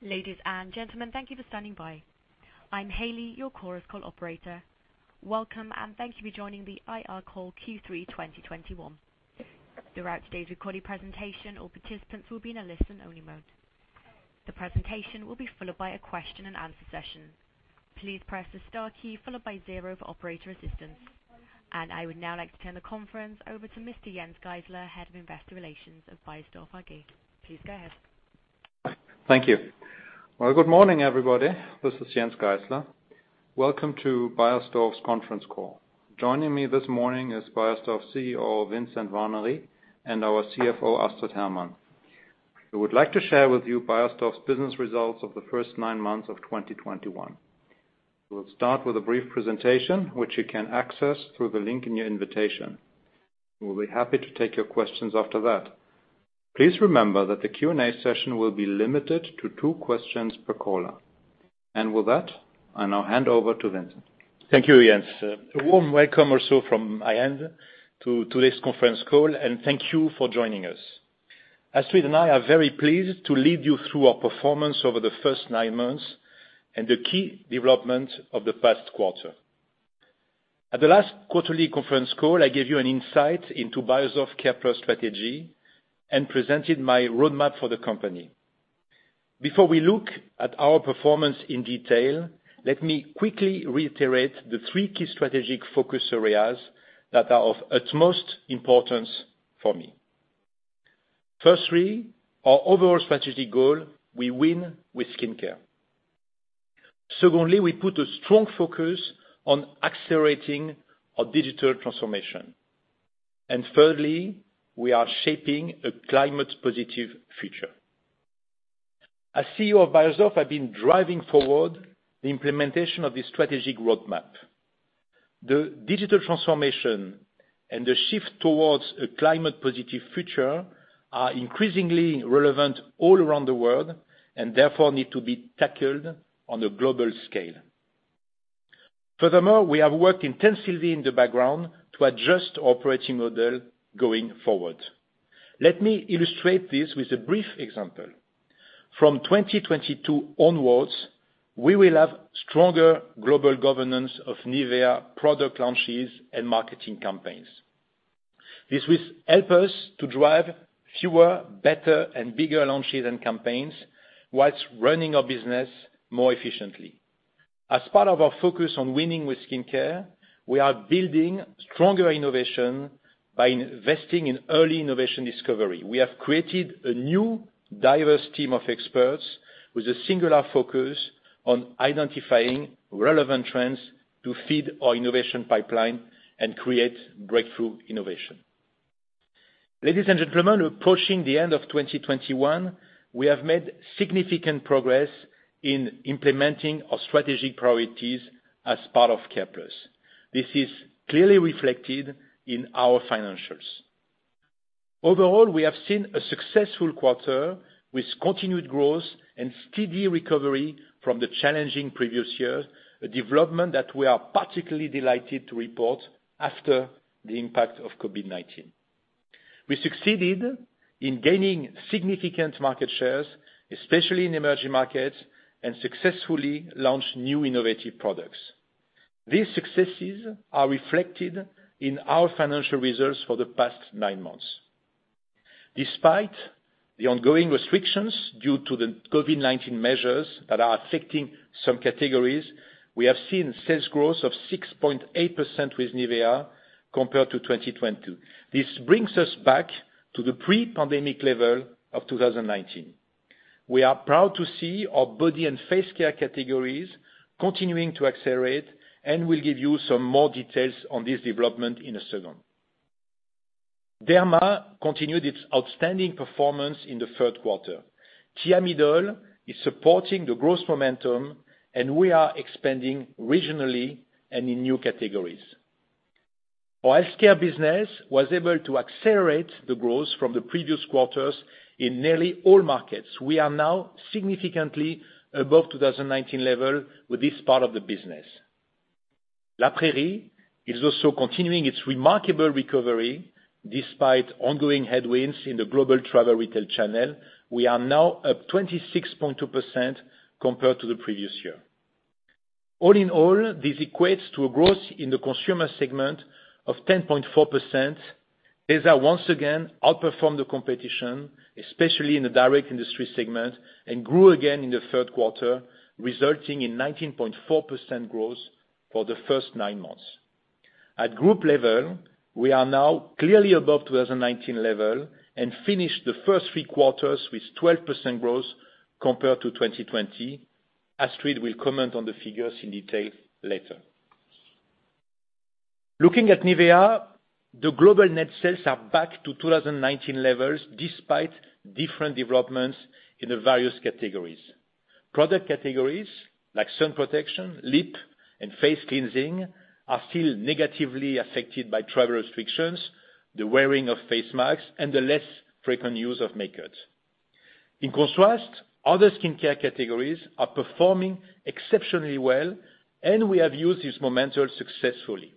Ladies and gentlemen, thank you for standing by. I'm Haley, your Chorus Call operator. Welcome, and thank you for joining the IR call Q3 2021. Throughout today's recorded presentation, all participants will be in a listen-only mode. The presentation will be followed by a question-and-answer session. Please press the star key followed by zero for operator assistance. I would now like to turn the conference over to Mr. Jens Geissler, Head of Investor Relations of Beiersdorf AG. Please go ahead. Thank you. Well, good morning, everybody. This is Jens Geissler. Welcome to Beiersdorf's conference call. Joining me this morning is Beiersdorf's CEO, Vincent Warnery, and our CFO, Astrid Hermann. We would like to share with you Beiersdorf's business results of the first nine months of 2021. We'll start with a brief presentation, which you can access through the link in your invitation. We'll be happy to take your questions after that. Please remember that the Q&A session will be limited to two questions per caller. With that, I now hand over to Vincent. Thank you, Jens. A warm welcome also from my end to today's conference call, and thank you for joining us. Astrid and I are very pleased to lead you through our performance over the first nine months and the key development of the past quarter. At the last quarterly conference call, I gave you an insight into Beiersdorf C.A.R.E.+ strategy and presented my roadmap for the company. Before we look at our performance in detail, let me quickly reiterate the three key strategic focus areas that are of utmost importance for me. Firstly, our overall strategic goal. We win with skincare. Secondly, we put a strong focus on accelerating our digital transformation. Thirdly, we are shaping a climate-positive future. As CEO of Beiersdorf, I've been driving forward the implementation of this strategic roadmap. The digital transformation and the shift towards a climate-positive future are increasingly relevant all around the world and therefore need to be tackled on a global scale. Furthermore, we have worked intensively in the background to adjust our operating model going forward. Let me illustrate this with a brief example. From 2022 onwards, we will have stronger global governance of NIVEA product launches and marketing campaigns. This will help us to drive fewer, better, and bigger launches and campaigns while running our business more efficiently. As part of our focus on winning with skincare, we are building stronger innovation by investing in early innovation discovery. We have created a new, diverse team of experts with a singular focus on identifying relevant trends to feed our innovation pipeline and create breakthrough innovation. Ladies and gentlemen, we're approaching the end of 2021. We have made significant progress in implementing our strategic priorities as part of C.A.R.E.+. This is clearly reflected in our financials. Overall, we have seen a successful quarter with continued growth and steady recovery from the challenging previous year, a development that we are particularly delighted to report after the impact of COVID-19. We succeeded in gaining significant market shares, especially in emerging markets, and successfully launched new innovative products. These successes are reflected in our financial results for the past nine months. Despite the ongoing restrictions due to the COVID-19 measures that are affecting some categories, we have seen sales growth of 6.8% with NIVEA compared to 2020. This brings us back to the pre-pandemic level of 2019. We are proud to see our body and face care categories continuing to accelerate, and we'll give you some more details on this development in a second. Derma continued its outstanding performance in the third quarter. Thiamidol is supporting the growth momentum, and we are expanding regionally and in new categories. Our skincare business was able to accelerate the growth from the previous quarters in nearly all markets. We are now significantly above 2019 level with this part of the business. La Prairie is also continuing its remarkable recovery despite ongoing headwinds in the global travel retail channel. We are now up 26.2% compared to the previous year. All in all, this equates to a growth in the consumer segment of 10.4%. Beiersdorf once again outperformed the competition, especially in the direct industry segment, and grew again in the third quarter, resulting in 19.4% growth for the first nine months. At group level, we are now clearly above 2019 level and finished the first three quarters with 12% growth compared to 2020. Astrid will comment on the figures in detail later. Looking at NIVEA, the global net sales are back to 2019 levels despite different developments in the various categories. Product categories like sun protection, lip, and face cleansing are still negatively affected by travel restrictions, the wearing of face masks, and the less frequent use of makeup. In contrast, other skincare categories are performing exceptionally well, and we have used this momentum successfully.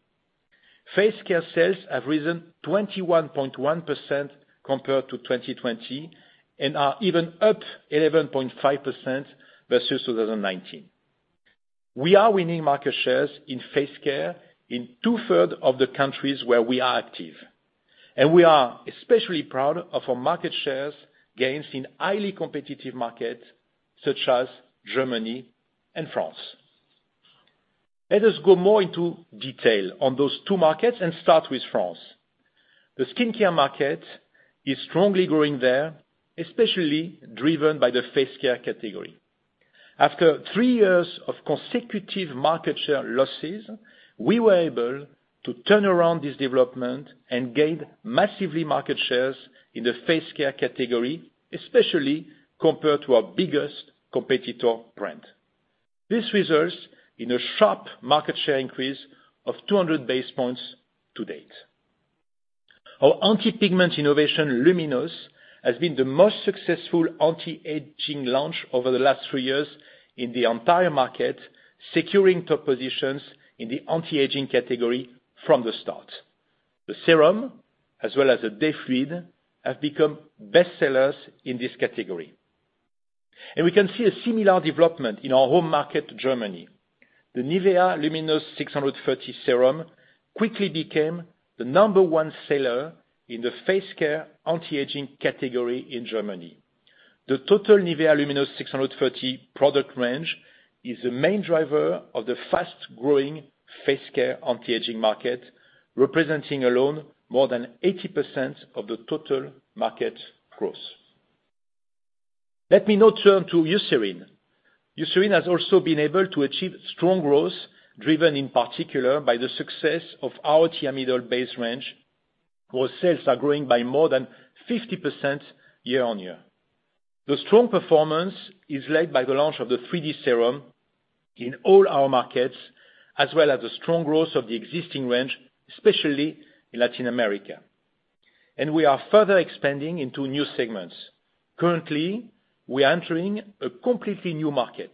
Face care sales have risen 21.1% compared to 2020, and are even up 11.5% versus 2019. We are winning market shares in face care in 2/3 of the countries where we are active. We are especially proud of our market share gains in highly competitive markets such as Germany and France. Let us go more into detail on those two markets and start with France. The skincare market is strongly growing there, especially driven by the face care category. After three years of consecutive market share losses, we were able to turn around this development and gain massive market shares in the face care category, especially compared to our biggest competitor brand. This results in a sharp market share increase of 200 basis points to date. Our anti-pigment innovation, Luminous630, has been the most successful anti-aging launch over the last three years in the entire market, securing top positions in the anti-aging category from the start. The serum, as well as the day cream, have become bestsellers in this category. We can see a similar development in our home market, Germany. The NIVEA Luminous630 serum quickly became the number one seller in the face care anti-aging category in Germany. The total NIVEA Luminous630 product range is the main driver of the fast-growing face care anti-aging market, representing alone more than 80% of the total market growth. Let me now turn to Eucerin. Eucerin has also been able to achieve strong growth, driven in particular by the success of our Thiamidol base range, where sales are growing by more than 50% year-on-year. The strong performance is led by the launch of the 3D serum in all our markets, as well as the strong growth of the existing range, especially in Latin America. We are further expanding into new segments. Currently, we are entering a completely new market.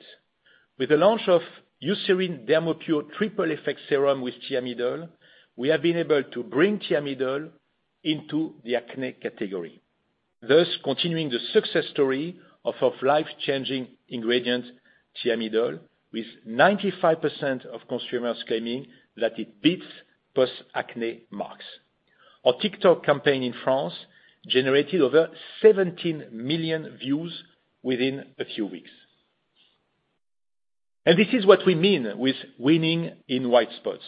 With the launch of Eucerin DermoPure Triple Effect Serum with Thiamidol, we have been able to bring Thiamidol into the acne category, thus continuing the success story of our life-changing ingredient, Thiamidol, with 95% of consumers claiming that it beats post-acne marks. Our TikTok campaign in France generated over 17 million views within a few weeks. This is what we mean with winning in white spots,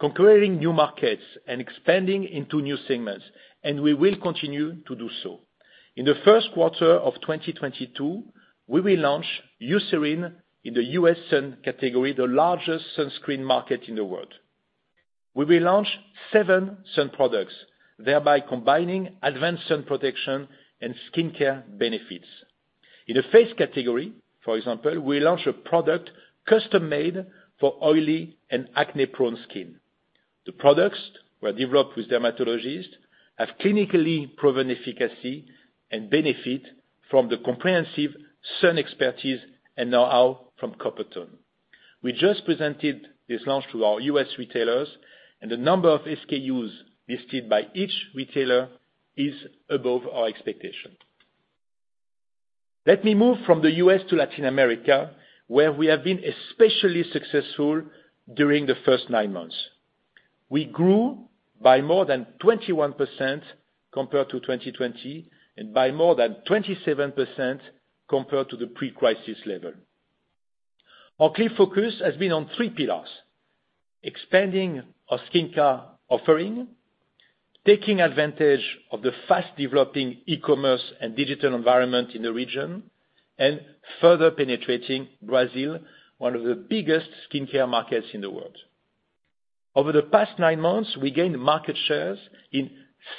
conquering new markets and expanding into new segments, and we will continue to do so. In the first quarter of 2022, we will launch Eucerin in the U.S. sun category, the largest sunscreen market in the world. We will launch seven sun products, thereby combining advanced sun protection and skincare benefits. In the face category, for example, we launch a product custom-made for oily and acne-prone skin. The products were developed with dermatologists, have clinically proven efficacy, and benefit from the comprehensive sun expertise in-house from Coppertone. We just presented this launch to our U.S. retailers, and the number of SKUs listed by each retailer is above our expectation. Let me move from the U.S. to Latin America, where we have been especially successful during the first nine months. We grew by more than 21% compared to 2020, and by more than 27% compared to the pre-crisis level. Our key focus has been on three pillars, expanding our skin care offering, taking advantage of the fast-developing e-commerce and digital environment in the region, and further penetrating Brazil, one of the biggest skin care markets in the world. Over the past nine months, we gained market shares in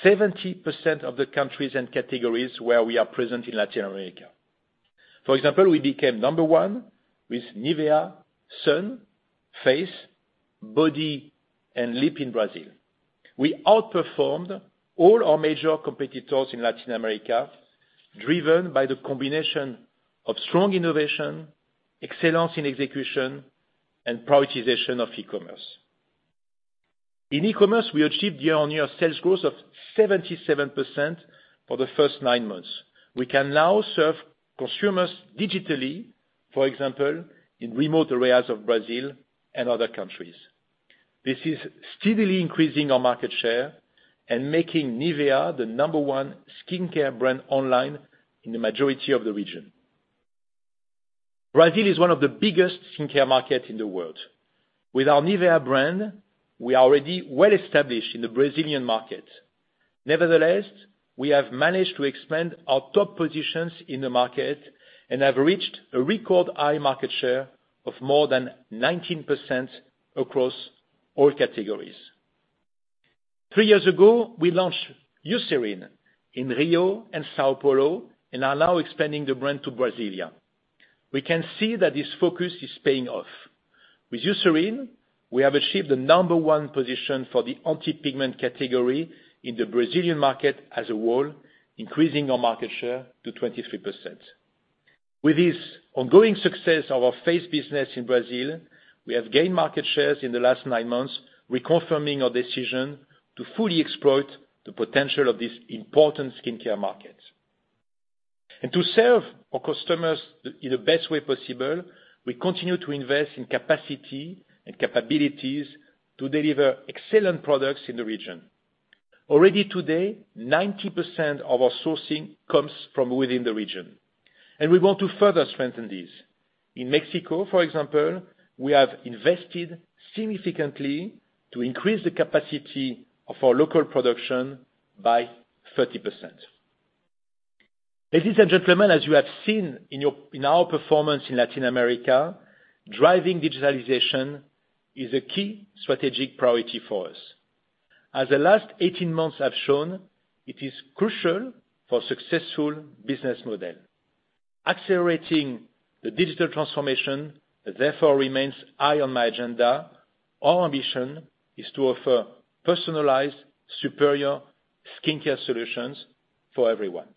70% of the countries and categories where we are present in Latin America. For example, we became number one with NIVEA Sun, face, body, and lip in Brazil. We outperformed all our major competitors in Latin America, driven by the combination of strong innovation, excellence in execution, and prioritization of e-commerce. In e-commerce, we achieved year-on-year sales growth of 77% for the first nine months. We can now serve consumers digitally, for example, in remote areas of Brazil and other countries. This is steadily increasing our market share and making NIVEA the number one skin care brand online in the majority of the region. Brazil is one of the biggest skin care markets in the world. With our NIVEA brand, we are already well established in the Brazilian market. Nevertheless, we have managed to expand our top positions in the market and have reached a record high market share of more than 19% across all categories. Three years ago, we launched Eucerin in Rio and São Paulo and are now expanding the brand to Brasília. We can see that this focus is paying off. With Eucerin, we have achieved the number one position for the anti-pigment category in the Brazilian market as a whole, increasing our market share to 23%. With this ongoing success of our face business in Brazil, we have gained market shares in the last nine months, reconfirming our decision to fully exploit the potential of this important skincare market. To serve our customers in the best way possible, we continue to invest in capacity and capabilities to deliver excellent products in the region. Already today, 90% of our sourcing comes from within the region, and we want to further strengthen this. In Mexico, for example, we have invested significantly to increase the capacity of our local production by 30%. Ladies and gentlemen, as you have seen in our performance in Latin America, driving digitalization is a key strategic priority for us. As the last 18 months have shown, it is crucial for successful business model. Accelerating the digital transformation, therefore remains high on my agenda. Our ambition is to offer personalized, superior skincare solutions for everyone.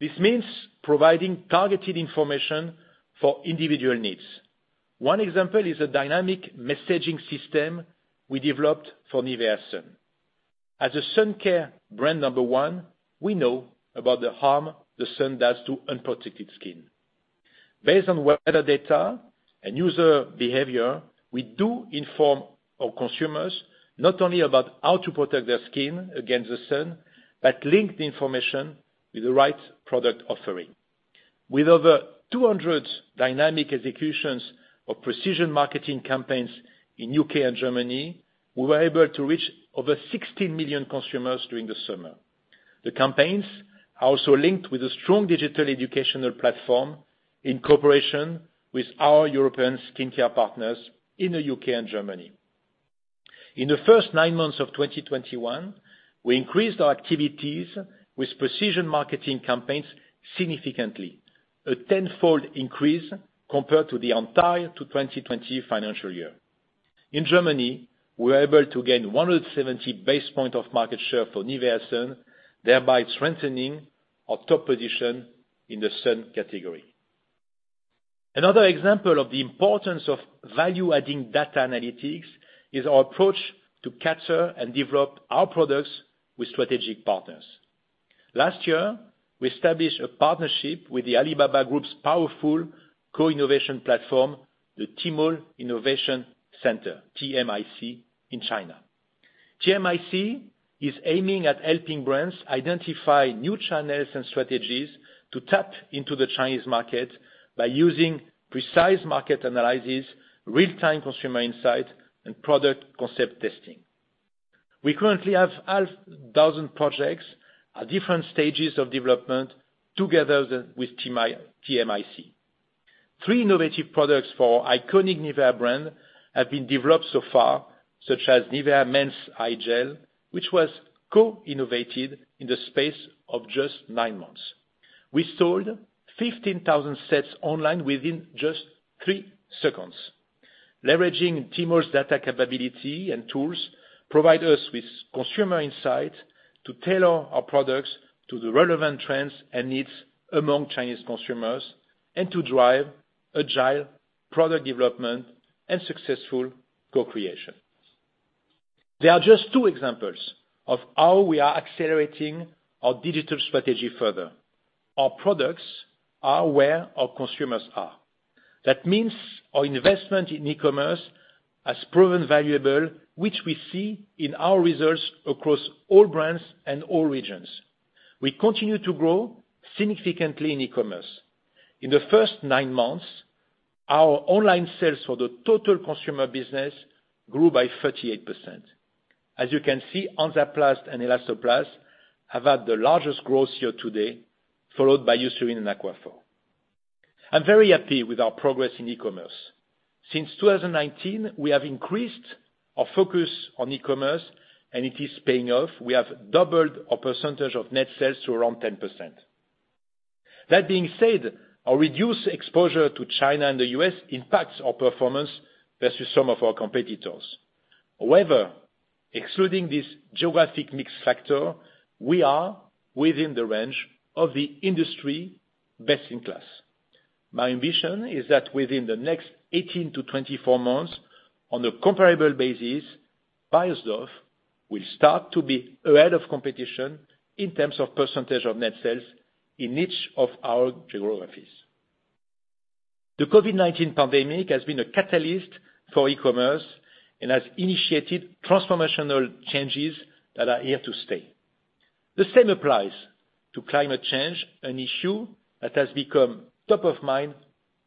This means providing targeted information for individual needs. One example is a dynamic messaging system we developed for NIVEA Sun. As the number one sun care brand, we know about the harm the sun does to unprotected skin. Based on weather data and user behavior, we do inform our consumers not only about how to protect their skin against the sun, but link the information with the right product offering. With over 200 dynamic executions of precision marketing campaigns in the U.K. and Germany, we were able to reach over 16 million consumers during the summer. The campaigns are also linked with a strong digital educational platform in cooperation with our European skincare partners in the U.K. and Germany. In the first nine months of 2021, we increased our activities with precision marketing campaigns significantly, a tenfold increase compared to the entire 2020 financial year. In Germany, we were able to gain 170 basis points of market share for NIVEA Sun, thereby strengthening our top position in the sun category. Another example of the importance of value-adding data analytics is our approach to capture and develop our products with strategic partners. Last year, we established a partnership with the Alibaba Group's powerful co-innovation platform, the Tmall Innovation Center, TMIC, in China. TMIC is aiming at helping brands identify new channels and strategies to tap into the Chinese market by using precise market analysis, real-time consumer insight, and product concept testing. We currently have half dozen projects at different stages of development together with TMIC. Three innovative products for iconic NIVEA brand have been developed so far, such as NIVEA Men's Eye Gel, which was co-innovated in the space of just nine months. We sold 15,000 sets online within just 3 seconds. Leveraging Tmall's data capability and tools provide us with consumer insight to tailor our products to the relevant trends and needs among Chinese consumers and to drive agile product development and successful co-creation. There are just two examples of how we are accelerating our digital strategy further. Our products are where our consumers are. That means our investment in e-commerce has proven valuable, which we see in our results across all brands and all regions. We continue to grow significantly in e-commerce. In the first nine months, our online sales for the total consumer business grew by 38%. As you can see, Hansaplast and Elastoplast have had the largest growth year-to-date, followed by Eucerin and Aquaphor. I'm very happy with our progress in e-commerce. Since 2019, we have increased our focus on e-commerce, and it is paying off. We have doubled our percentage of net sales to around 10%. That being said, our reduced exposure to China and the U.S. impacts our performance versus some of our competitors. However, excluding this geographic mix factor, we are within the range of the industry best in class. My ambition is that within the next 18-24 months, on a comparable basis, Beiersdorf will start to be ahead of competition in terms of percentage of net sales in each of our geographies. The COVID-19 pandemic has been a catalyst for e-commerce and has initiated transformational changes that are here to stay. The same applies to climate change, an issue that has become top of mind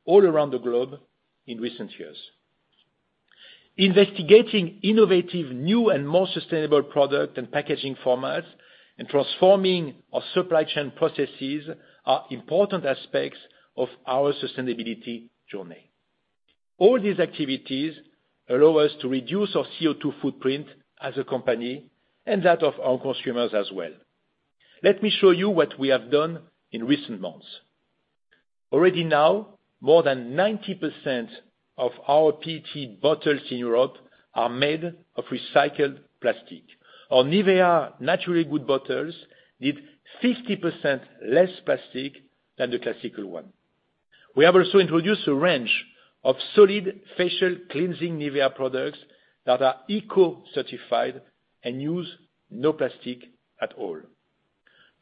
all around the globe in recent years. Investigating innovative new and more sustainable product and packaging formats and transforming our supply chain processes are important aspects of our sustainability journey. All these activities allow us to reduce our CO₂ footprint as a company and that of our consumers as well. Let me show you what we have done in recent months. Already now, more than 90% of our PET bottles in Europe are made of recycled plastic. Our NIVEA Naturally Good bottles need 50% less plastic than the classic one. We have also introduced a range of solid facial cleansing NIVEA products that are eco-certified and use no plastic at all.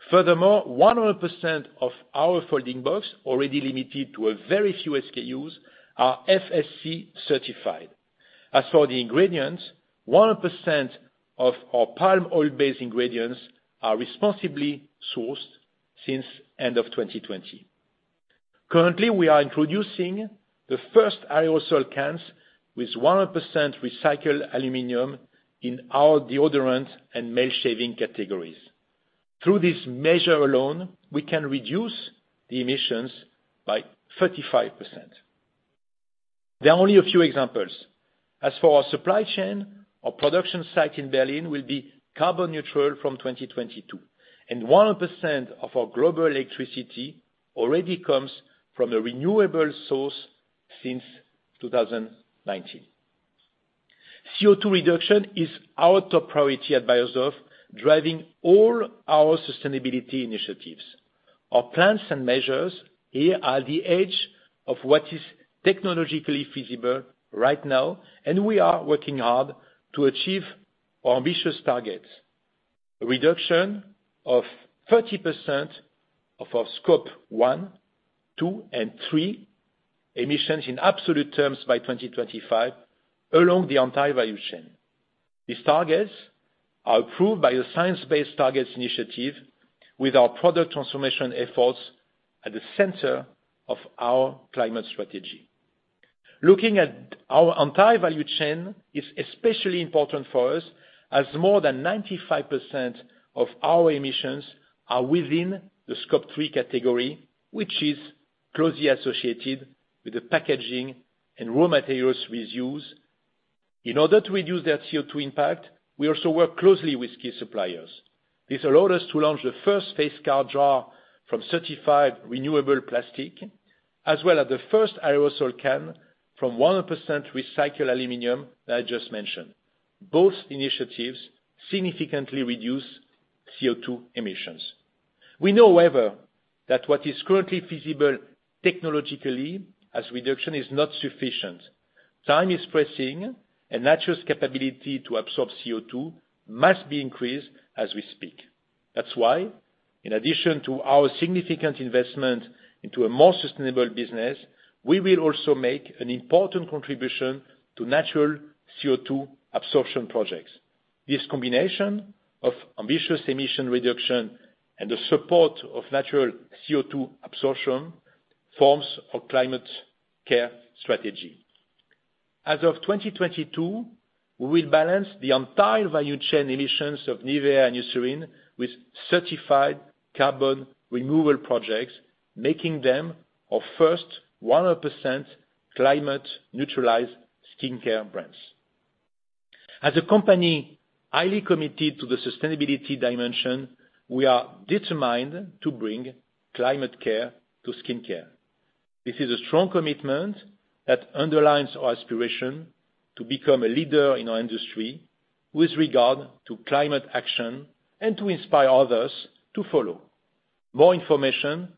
Furthermore, 100% of our folding box, already limited to a very few SKUs, are FSC certified. As for the ingredients, 100% of our palm oil-based ingredients are responsibly sourced since end of 2020. Currently, we are introducing the first aerosol cans with 100% recycled aluminum in our deodorant and male shaving categories. Through this measure alone, we can reduce the emissions by 35%. There are only a few examples. As for our supply chain, our production site in Berlin will be carbon neutral from 2022, and 100% of our global electricity already comes from a renewable source since 2019. CO₂ reduction is our top priority at Beiersdorf, driving all our sustainability initiatives. Our plans and measures here are the edge of what is technologically feasible right now, and we are working hard to achieve our ambitious targets. A reduction of 30% of our Scope 1, 2, and 3 emissions in absolute terms by 2025, along the entire value chain. These targets are approved by the Science Based Targets initiative with our product transformation efforts at the center of our climate strategy. Looking at our entire value chain is especially important for us, as more than 95% of our emissions are within the Scope 3 category, which is closely associated with the packaging and raw materials we use. In order to reduce their CO₂ impact, we also work closely with key suppliers. This allowed us to launch the first face cream jar from certified renewable plastic, as well as the first aerosol can from 100% recycled aluminum that I just mentioned. Both initiatives significantly reduce CO₂ emissions. We know, however, that what is currently feasible technologically as reduction is not sufficient. Time is pressing, and nature's capability to absorb CO₂ must be increased as we speak. That's why, in addition to our significant investment into a more sustainable business, we will also make an important contribution to natural CO₂ absorption projects. This combination of ambitious emission reduction and the support of natural CO₂ absorption forms our climate care strategy. As of 2022, we will balance the entire value chain emissions of NIVEA and Eucerin with certified carbon removal projects, making them our first 100% climate neutralized skincare brands. As a company highly committed to the sustainability dimension, we are determined to bring climate care to skincare. This is a strong commitment that underlines our aspiration to become a leader in our industry with regard to climate action and to inspire others to follow. More information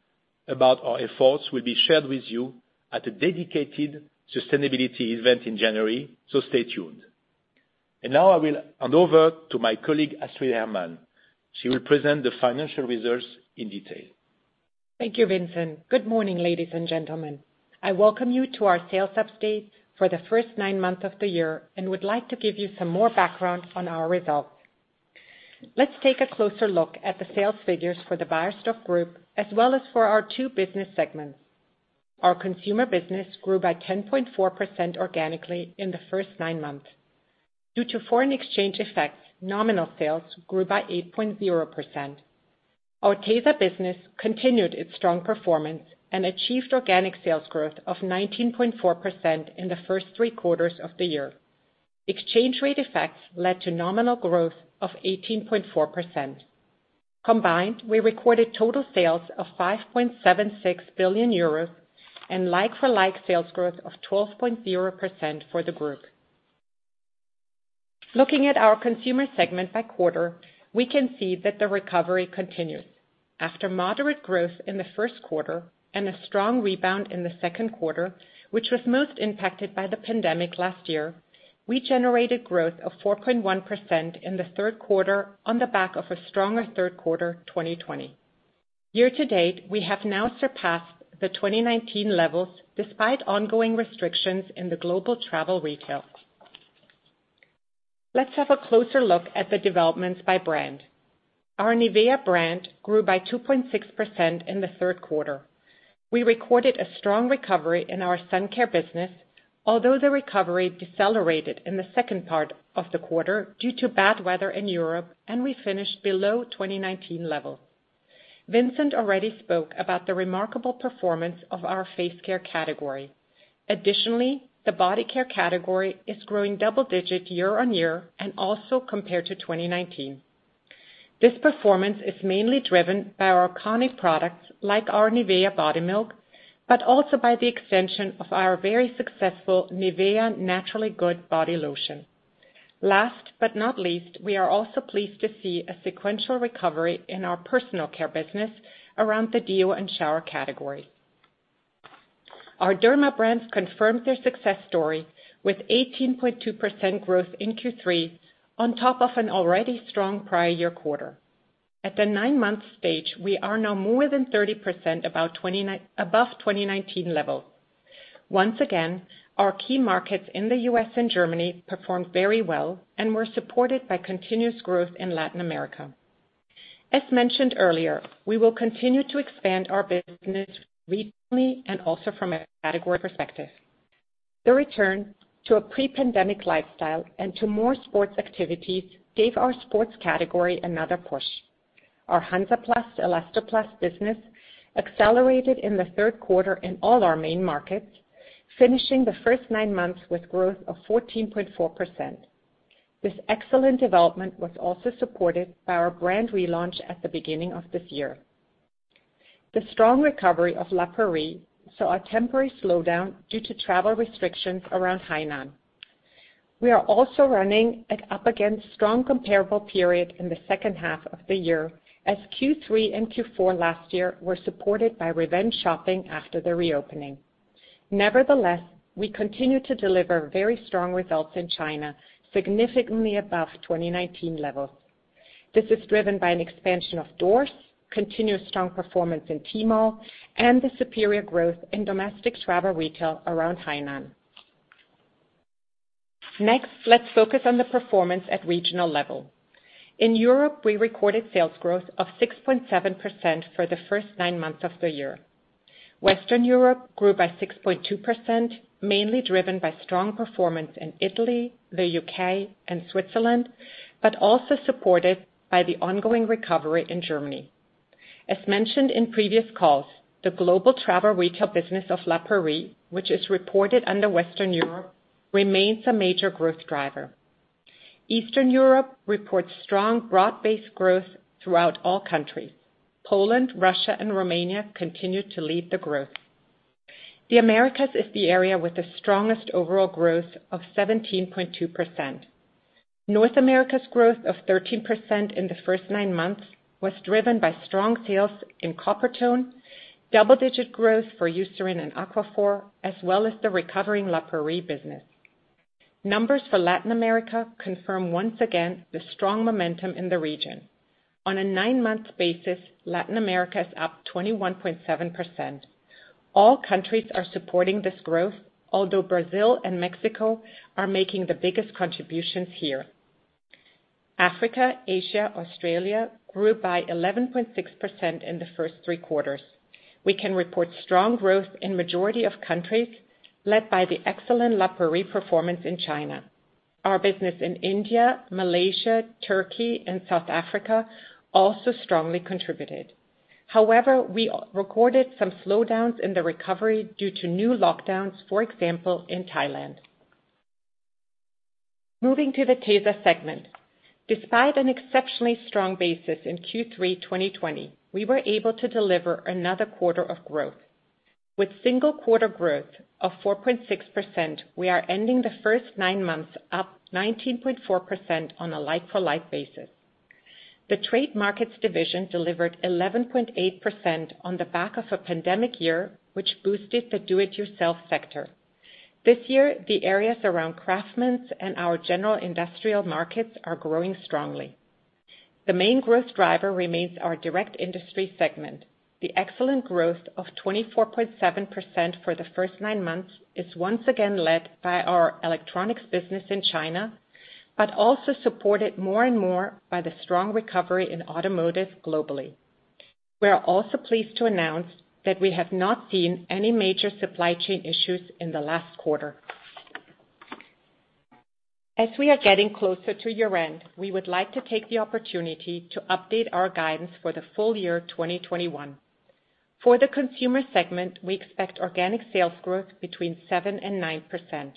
about our efforts will be shared with you at a dedicated sustainability event in January, so stay tuned. Now, I will hand over to my colleague, Astrid Hermann. She will present the financial results in detail. Thank you, Vincent. Good morning, ladies and gentlemen. I welcome you to our sales update for the first nine months of the year and would like to give you some more background on our results. Let's take a closer look at the sales figures for the Beiersdorf Group, as well as for our two business segments. Our consumer business grew by 10.4% organically in the first nine months. Due to foreign exchange effects, nominal sales grew by 8.0%. Our tesa business continued its strong performance and achieved organic sales growth of 19.4% in the first three quarters of the year. Exchange rate effects led to nominal growth of 18.4%. Combined, we recorded total sales of 5.76 billion euros and like for like sales growth of 12.0% for the group. Looking at our consumer segment by quarter, we can see that the recovery continues. After moderate growth in the first quarter and a strong rebound in the second quarter, which was most impacted by the pandemic last year, we generated growth of 4.1% in the third quarter on the back of a stronger third quarter, 2020. Year to date, we have now surpassed the 2019 levels despite ongoing restrictions in the global travel retail. Let's have a closer look at the developments by brand. Our NIVEA brand grew by 2.6% in the third quarter. We recorded a strong recovery in our sun care business, although the recovery decelerated in the second part of the quarter due to bad weather in Europe, and we finished below 2019 level. Vincent already spoke about the remarkable performance of our face care category. Additionally, the body care category is growing double-digit year-on-year, and also compared to 2019. This performance is mainly driven by our iconic products like our NIVEA Body Milk, but also by the extension of our very successful NIVEA Naturally Good Body Lotion. Last but not least, we are also pleased to see a sequential recovery in our personal care business around the deo and shower category. Our Derma brands confirmed their success story with 18.2% growth in Q3 on top of an already strong prior-year quarter. At the nine month stage, we are now more than 30% above 2019 levels. Once again, our key markets in the U.S. and Germany performed very well and were supported by continuous growth in Latin America. As mentioned earlier, we will continue to expand our business regionally and also from a category perspective. The return to a pre-pandemic lifestyle and to more sports activities gave our sports category another push. Our Hansaplast, Elastoplast business accelerated in the third quarter in all our main markets, finishing the first nine months with growth of 14.4%. This excellent development was also supported by our brand relaunch at the beginning of this year. The strong recovery of La Prairie saw a temporary slowdown due to travel restrictions around Hainan. We are also running up against a strong comparable period in the second half of the year, as Q3 and Q4 last year were supported by revenge shopping after the reopening. Nevertheless, we continue to deliver very strong results in China, significantly above 2019 levels. This is driven by an expansion of doors, continuous strong performance in Tmall, and the superior growth in domestic travel retail around Hainan. Next, let's focus on the performance at regional level. In Europe, we recorded sales growth of 6.7% for the first nine months of the year. Western Europe grew by 6.2%, mainly driven by strong performance in Italy, the U.K., and Switzerland, but also supported by the ongoing recovery in Germany. As mentioned in previous calls, the global travel retail business of La Prairie, which is reported under Western Europe, remains a major growth driver. Eastern Europe reports strong broad-based growth throughout all countries. Poland, Russia, and Romania continue to lead the growth. The Americas is the area with the strongest overall growth of 17.2%. North America's growth of 13% in the first nine months was driven by strong sales in Coppertone, double-digit growth for Eucerin and Aquaphor, as well as the recovering La Prairie business. Numbers for Latin America confirm once again the strong momentum in the region. On a nine month basis, Latin America is up 21.7%. All countries are supporting this growth, although Brazil and Mexico are making the biggest contributions here. Africa, Asia, Australia grew by 11.6% in the first three quarters. We can report strong growth in majority of countries, led by the excellent La Prairie performance in China. Our business in India, Malaysia, Turkey, and South Africa also strongly contributed. However, we recorded some slowdowns in the recovery due to new lockdowns, for example, in Thailand. Moving to the tesa segment. Despite an exceptionally strong basis in Q3 2020, we were able to deliver another quarter of growth. With single quarter growth of 4.6%, we are ending the first nine months up 19.4% on a like-for-like basis. The trade markets division delivered 11.8% on the back of a pandemic year, which boosted the do it yourself sector. This year, the areas around craftsmen and our general industrial markets are growing strongly. The main growth driver remains our direct industry segment. The excellent growth of 24.7% for the first nine months is once again led by our electronics business in China, but also supported more and more by the strong recovery in automotive globally. We are also pleased to announce that we have not seen any major supply chain issues in the last quarter. As we are getting closer to year-end, we would like to take the opportunity to update our guidance for the full year, 2021. For the consumer segment, we expect organic sales growth between 7% and 9%.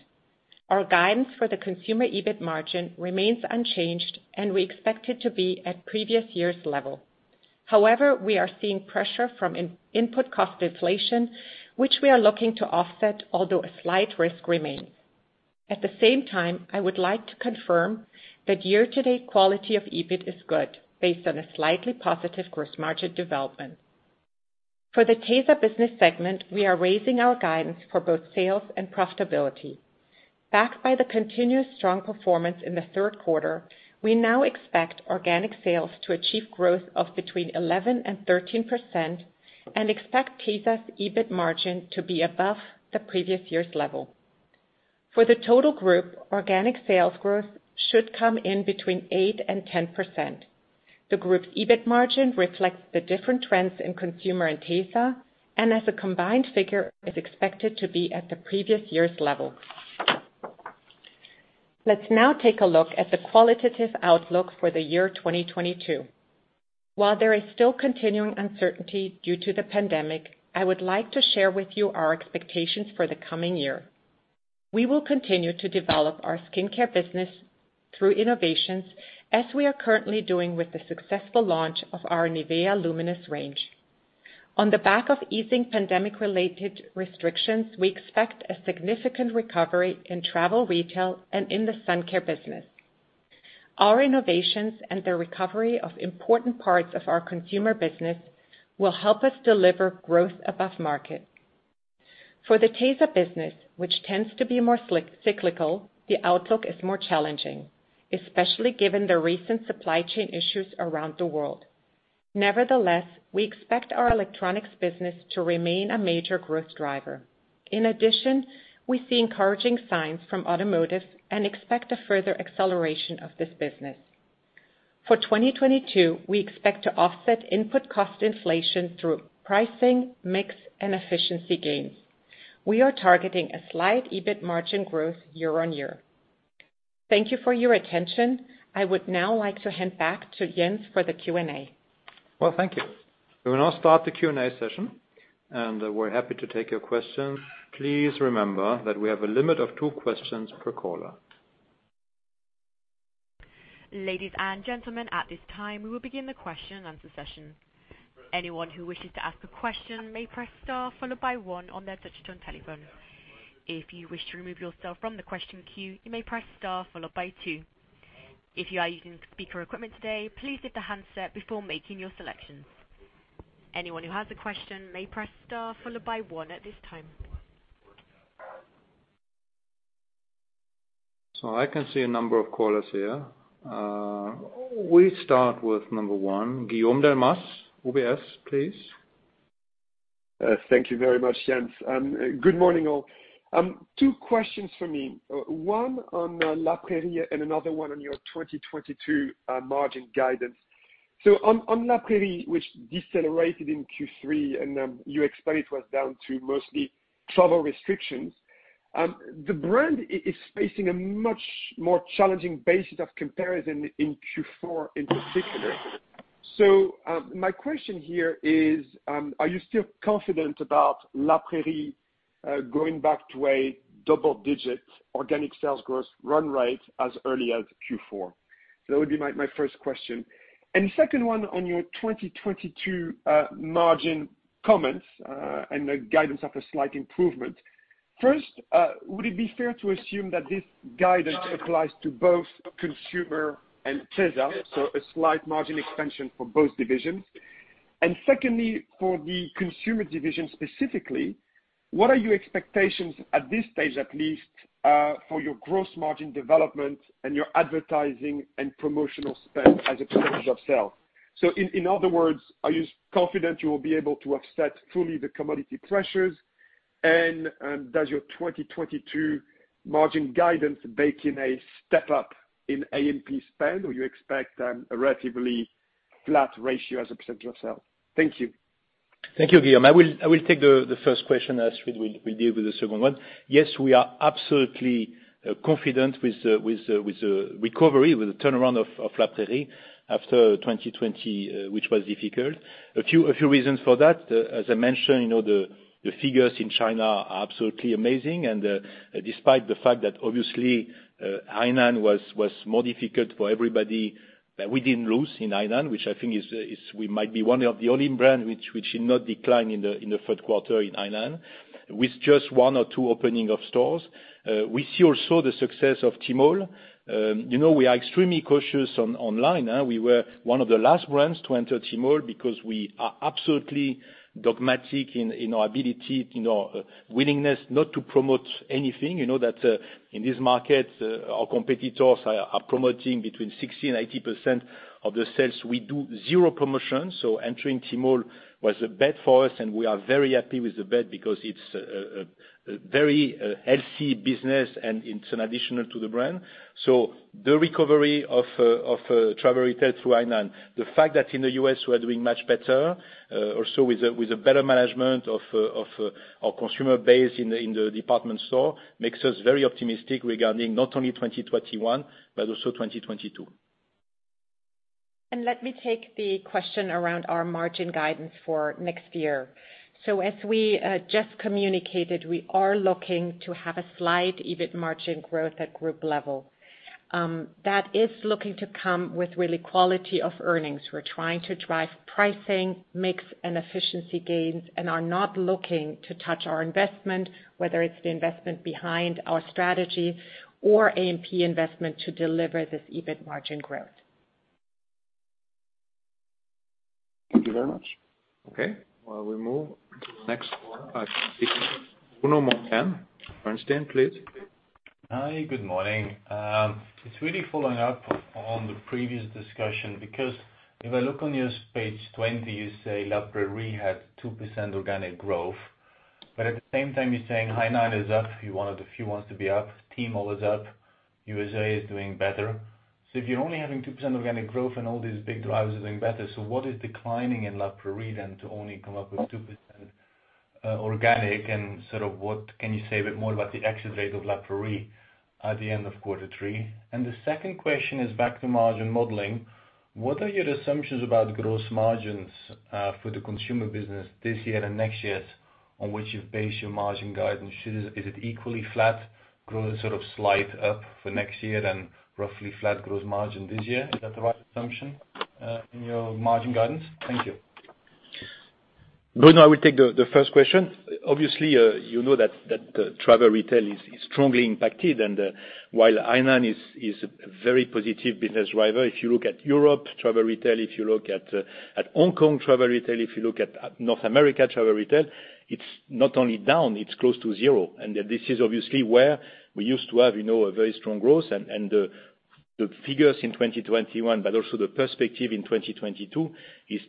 Our guidance for the consumer EBIT margin remains unchanged, and we expect it to be at previous year's level. However, we are seeing pressure from input cost inflation, which we are looking to offset, although a slight risk remains. At the same time, I would like to confirm that year-to-date quality of EBIT is good based on a slightly positive gross margin development. For the tesa business segment, we are raising our guidance for both sales and profitability. Backed by the continuous strong performance in the third quarter, we now expect organic sales to achieve growth of between 11% and 13% and expect tesa's EBIT margin to be above the previous year's level. For the total group, organic sales growth should come in between 8% and 10%. The group's EBIT margin reflects the different trends in consumer and tesa, and as a combined figure is expected to be at the previous year's level. Let's now take a look at the qualitative outlook for the year 2022. While there is still continuing uncertainty due to the pandemic, I would like to share with you our expectations for the coming year. We will continue to develop our skincare business through innovations as we are currently doing with the successful launch of our NIVEA Luminous630 range. On the back of easing pandemic-related restrictions, we expect a significant recovery in travel retail and in the sun care business. Our innovations and the recovery of important parts of our consumer business will help us deliver growth above market. For the tesa business, which tends to be more cyclical, the outlook is more challenging, especially given the recent supply chain issues around the world. Nevertheless, we expect our electronics business to remain a major growth driver. In addition, we see encouraging signs from automotive and expect a further acceleration of this business. For 2022, we expect to offset input cost inflation through pricing, mix, and efficiency gains. We are targeting a slight EBIT margin growth year-on-year. Thank you for your attention. I would now like to hand back to Jens for the Q&A. Well, thank you. We will now start the Q&A session, and we're happy to take your questions. Please remember that we have a limit of two questions per caller. Ladies and gentlemen, at this time, we will begin the question and answer session. Anyone who wishes to ask a question may press star followed by one on their touch-tone telephone. If you wish to remove yourself from the question queue, you may press star followed by two. If you are using speaker equipment today, please hit the handset before making your selections. Anyone who has a question may press star followed by one at this time. I can see a number of callers here. We start with number one, Guillaume Delmas, UBS, please. Thank you very much, Jens. Good morning, all. Two questions for me. One on La Prairie and another one on your 2022 margin guidance. On La Prairie, which decelerated in Q3, and you explained it was down to mostly travel restrictions. The brand is facing a much more challenging basis of comparison in Q4 in particular. My question here is, are you still confident about La Prairie going back to a double digit organic sales growth run rate as early as Q4? That would be my first question. Second one on your 2022 margin comments, and the guidance of a slight improvement. First, would it be fair to assume that this guidance applies to both consumer and tesa, so a slight margin expansion for both divisions? Second, for the consumer division specifically, what are your expectations at this stage, at least, for your gross margin development and your advertising and promotional spend as a percentage of sale? In other words, are you confident you will be able to offset fully the commodity pressures? Does your 2022 margin guidance bake in a step up in A&P spend, or you expect a relatively flat ratio as a percentage of sale? Thank you. Thank you, Guillaume. I will take the first question as Fred will deal with the second one. Yes, we are absolutely confident with the recovery, with the turnaround of La Prairie after 2020, which was difficult. A few reasons for that. As I mentioned, you know, the figures in China are absolutely amazing. Despite the fact that obviously Hainan was more difficult for everybody, that we didn't lose in Hainan, which I think is we might be one of the only brand which did not decline in the third quarter in Hainan, with just one or two opening of stores. We see also the success of Tmall. You know, we are extremely cautious on online. We were one of the last brands to enter Tmall because we are absolutely dogmatic in our ability, in our willingness not to promote anything. You know that, in this market, our competitors are promoting between 60% and 80% of the sales. We do zero promotions. Entering Tmall was a bet for us, and we are very happy with the bet because it's a very healthy business, and it's an addition to the brand. The recovery of travel retail through Hainan, the fact that in the U.S., we are doing much better, also with a better management of our consumer base in the department store, makes us very optimistic regarding not only 2021, but also 2022. Let me take the question around our margin guidance for next year. As we just communicated, we are looking to have a slight EBIT margin growth at group level. That is looking to come with really quality of earnings. We're trying to drive pricing, mix and efficiency gains and are not looking to touch our investment, whether it's the investment behind our strategy or A&P investment to deliver this EBIT margin growth. Thank you very much. Okay. Well, we move to the next one. Bruno Monteyne, Bernstein, please. Hi, good morning. It's really following up on the previous discussion because if I look on your page 20, you say La Prairie had 2% organic growth. At the same time, you're saying Hainan is up. You're one of the few ones to be up. Tmall is up. USA is doing better. If you're only having 2% organic growth and all these big drivers are doing better, what is declining in La Prairie then to only come up with 2% organic? Sort of what can you say a bit more about the actual rate of La Prairie at the end of quarter three. The second question is back to margin modeling. What are your assumptions about gross margins for the consumer business this year and next year on which you've based your margin guidance? Is it equally flat growth, sort of slight up for next year then roughly flat growth margin this year? Is that the right assumption, in your margin guidance? Thank you. Bruno, I will take the first question. Obviously, you know that travel retail is strongly impacted, and while Hainan is a very positive business driver, if you look at Europe travel retail, if you look at Hong Kong travel retail, if you look at North America travel retail, it's not only down, it's close to zero. This is obviously where we used to have, you know, a very strong growth and the figures in 2021, but also the perspective in 2022 is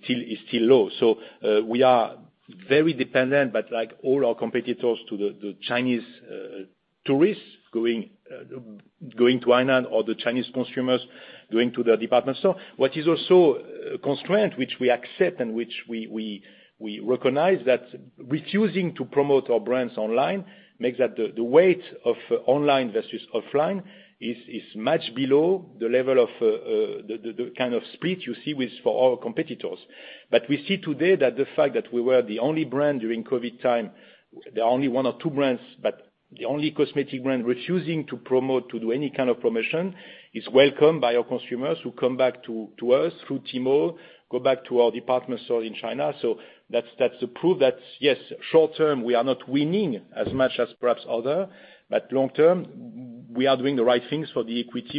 still low. We are very dependent, but like all our competitors to the Chinese tourists going to Hainan or the Chinese consumers going to the department store. What is also constrained, which we accept and which we recognize, that refusing to promote our brands online makes that the weight of online versus offline is much below the level of the kind of split you see with our competitors. We see today that the fact that we were the only brand during COVID time, the only one or two brands, but the only cosmetic brand refusing to promote, to do any kind of promotion, is welcome by our consumers who come back to us through Tmall, go back to our department store in China. That's the proof that, yes, short term, we are not winning as much as perhaps other, but long term, we are doing the right things for the equity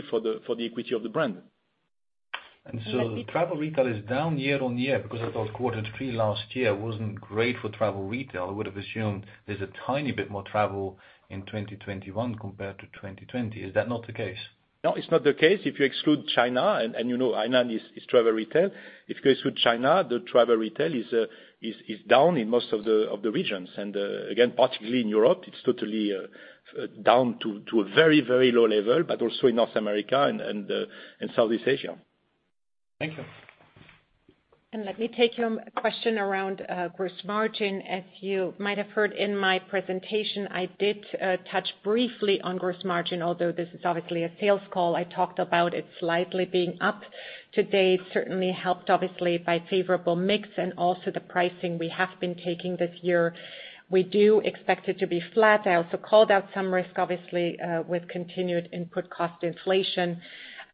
of the brand. The travel retail is down year-over-year because I thought quarter three last year wasn't great for travel retail. I would have assumed there's a tiny bit more travel in 2021 compared to 2020. Is that not the case? No, it's not the case. If you exclude China and you know Hainan is travel retail. If you exclude China, the travel retail is down in most of the regions. Again, particularly in Europe, it's totally down to a very low level, but also in North America and in Southeast Asia. Thank you. Let me take your question around gross margin. As you might have heard in my presentation, I did touch briefly on gross margin, although this is obviously a sales call. I talked about it slightly being up today, certainly helped obviously by favorable mix and also the pricing we have been taking this year. We do expect it to be flat. I also called out some risk, obviously, with continued input cost inflation,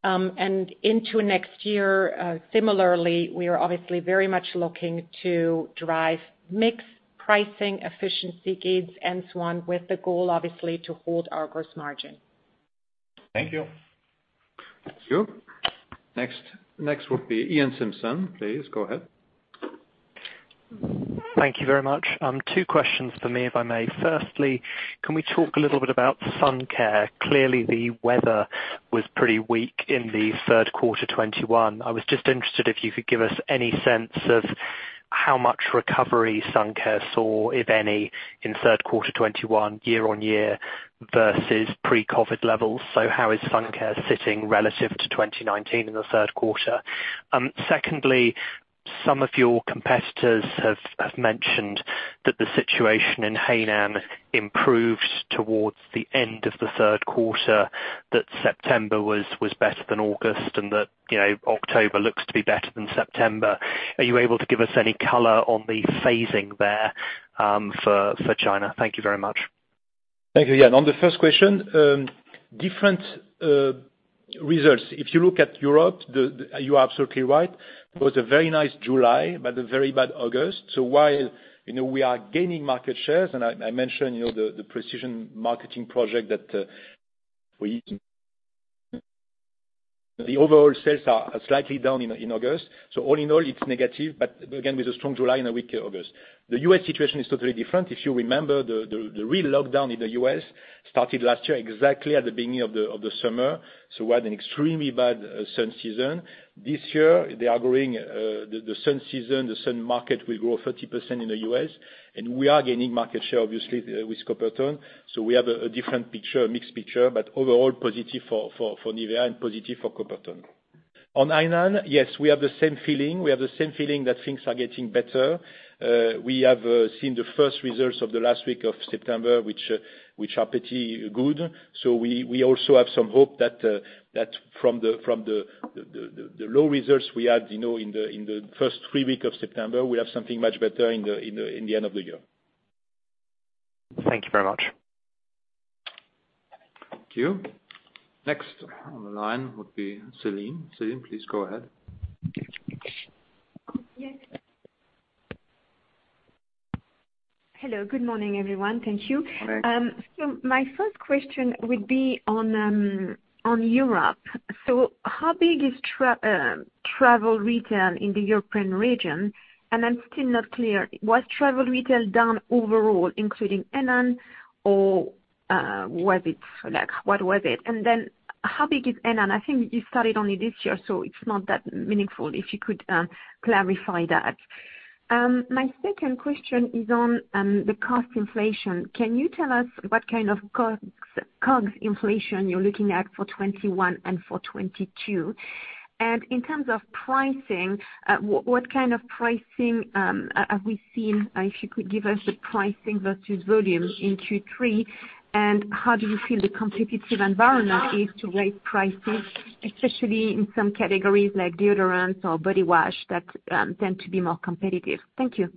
and into next year, similarly, we are obviously very much looking to drive mix pricing, efficiency gains, and so on with the goal, obviously, to hold our gross margin. Thank you. Thank you. Next would be Iain Simpson. Please go ahead. Thank you very much. Two questions for me, if I may. Firstly, can we talk a little bit about sun care? Clearly, the weather was pretty weak in the third quarter 2021. I was just interested if you could give us any sense of how much recovery sun care saw, if any, in third quarter 2021 year-on-year versus pre-COVID levels. How is sun care sitting relative to 2019 in the third quarter? Secondly, some of your competitors have mentioned that the situation in Hainan improved towards the end of the third quarter, that September was better than August, and that, you know, October looks to be better than September. Are you able to give us any color on the phasing there, for China? Thank you very much. Thank you, Iain. On the first question, different results. If you look at Europe, you are absolutely right. It was a very nice July, but a very bad August. While, you know, we are gaining market shares, and I mentioned, you know, the precision marketing project that we. The overall sales are slightly down in August. All in all it's negative, but again, with a strong July and a weak August. The U.S. situation is totally different. If you remember, the real lockdown in the U.S. started last year exactly at the beginning of the summer. We had an extremely bad sun season. This year they are growing the sun season, the sun market will grow 30% in the U.S., and we are gaining market share obviously with Coppertone. We have a different picture, a mixed picture, but overall positive for NIVEA and positive for Coppertone. On Hainan, yes, we have the same feeling. We have the same feeling that things are getting better. We have seen the first results of the last week of September, which are pretty good. We also have some hope that from the low results we had, you know, in the first three weeks of September, we have something much better in the end of the year. Thank you very much. Thank you. Next on the line would be Celine. Celine, please go ahead. Yes. Hello, good morning, everyone. Thank you. Hello. My first question would be on Europe. How big is travel retail in the European region? I'm still not clear, was travel retail down overall, including Hainan, or what was it? How big is Hainan? I think you started only this year, so it's not that meaningful. If you could clarify that. My second question is on the cost inflation. Can you tell us what kind of cost, COGS inflation you're looking at for 2021 and for 2022? In terms of pricing, what kind of pricing have we seen, if you could give us the pricing versus volume in Q3, and how do you feel the competitive environment is to raise prices, especially in some categories like deodorants or body wash that tend to be more competitive? Thank you.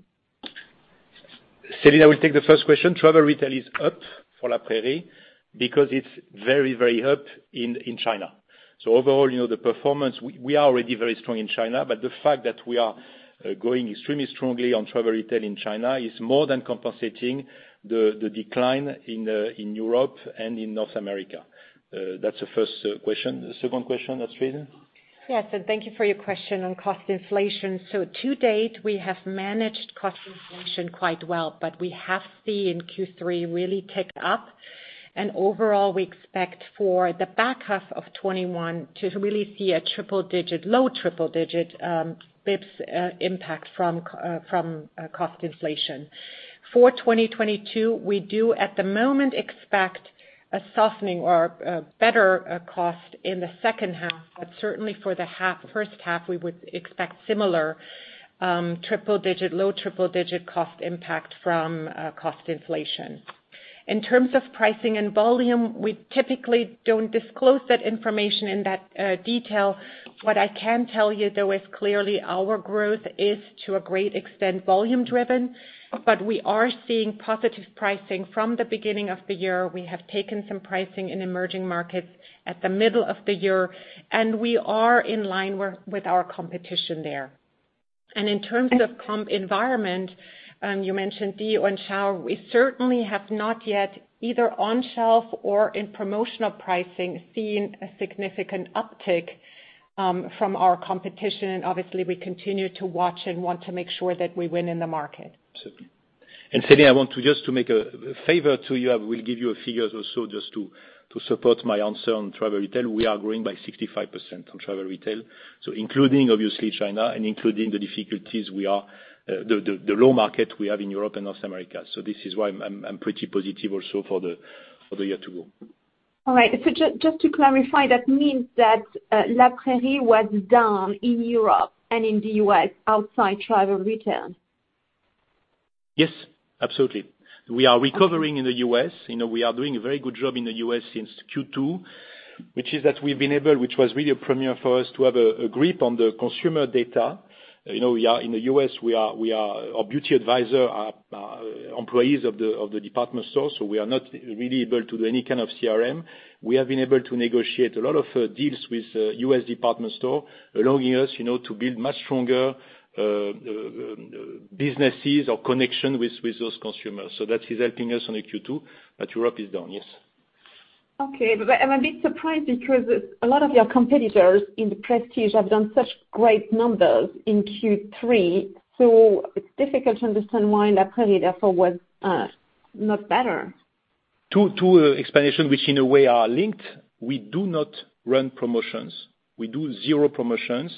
Celine, I will take the first question. Travel retail is up for La Prairie because it's very up in China. Overall, you know, the performance, we are already very strong in China, but the fact that we are growing extremely strongly on travel retail in China is more than compensating the decline in Europe and in North America. That's the first question. The second question, Astrid? Yes, thank you for your question on cost inflation. To date, we have managed cost inflation quite well, but we have seen Q3 really tick up. Overall, we expect for the back half of 2021 to really see a triple digit, low triple digit bps impact from cost inflation. For 2022, we do, at the moment, expect a softening or a better cost in the second half. Certainly for the first half, we would expect similar triple digit, low triple digit cost impact from cost inflation. In terms of pricing and volume, we typically don't disclose that information in that detail. What I can tell you, though, is clearly our growth is, to a great extent, volume driven, but we are seeing positive pricing from the beginning of the year. We have taken some pricing in emerging markets at the middle of the year, and we are in line with our competition there. In terms of competitive environment, you mentioned deo and shower, we certainly have not yet, either on shelf or in promotional pricing, seen a significant uptick from our competition. Obviously we continue to watch and want to make sure that we win in the market. Celine, I want to, just to make a favor to you, I will give you a few years or so just to support my answer on travel retail. We are growing by 65% on travel retail, so including obviously China and including the difficulties we are, the low market we have in Europe and North America. This is why I'm pretty positive also for the year two. All right. Just to clarify, that means that, La Prairie was down in Europe and in the U.S. outside travel retail? Yes, absolutely. We are recovering in the U.S. You know, we are doing a very good job in the U.S. since Q2, which was really a premiere for us to have a grip on the consumer data. You know, we are in the U.S. we are a beauty advisor, our employees of the department store, so we are not really able to do any kind of CRM. We have been able to negotiate a lot of deals with U.S. department store, allowing us, you know, to build much stronger businesses or connection with those consumers. So that is helping us on the Q2, but Europe is down, yes. Okay. I'm a bit surprised because a lot of your competitors in the prestige have done such great numbers in Q3. It's difficult to understand why La Prairie, therefore, was not better. Two explanations, which in a way are linked. We do not run promotions. We do zero promotions,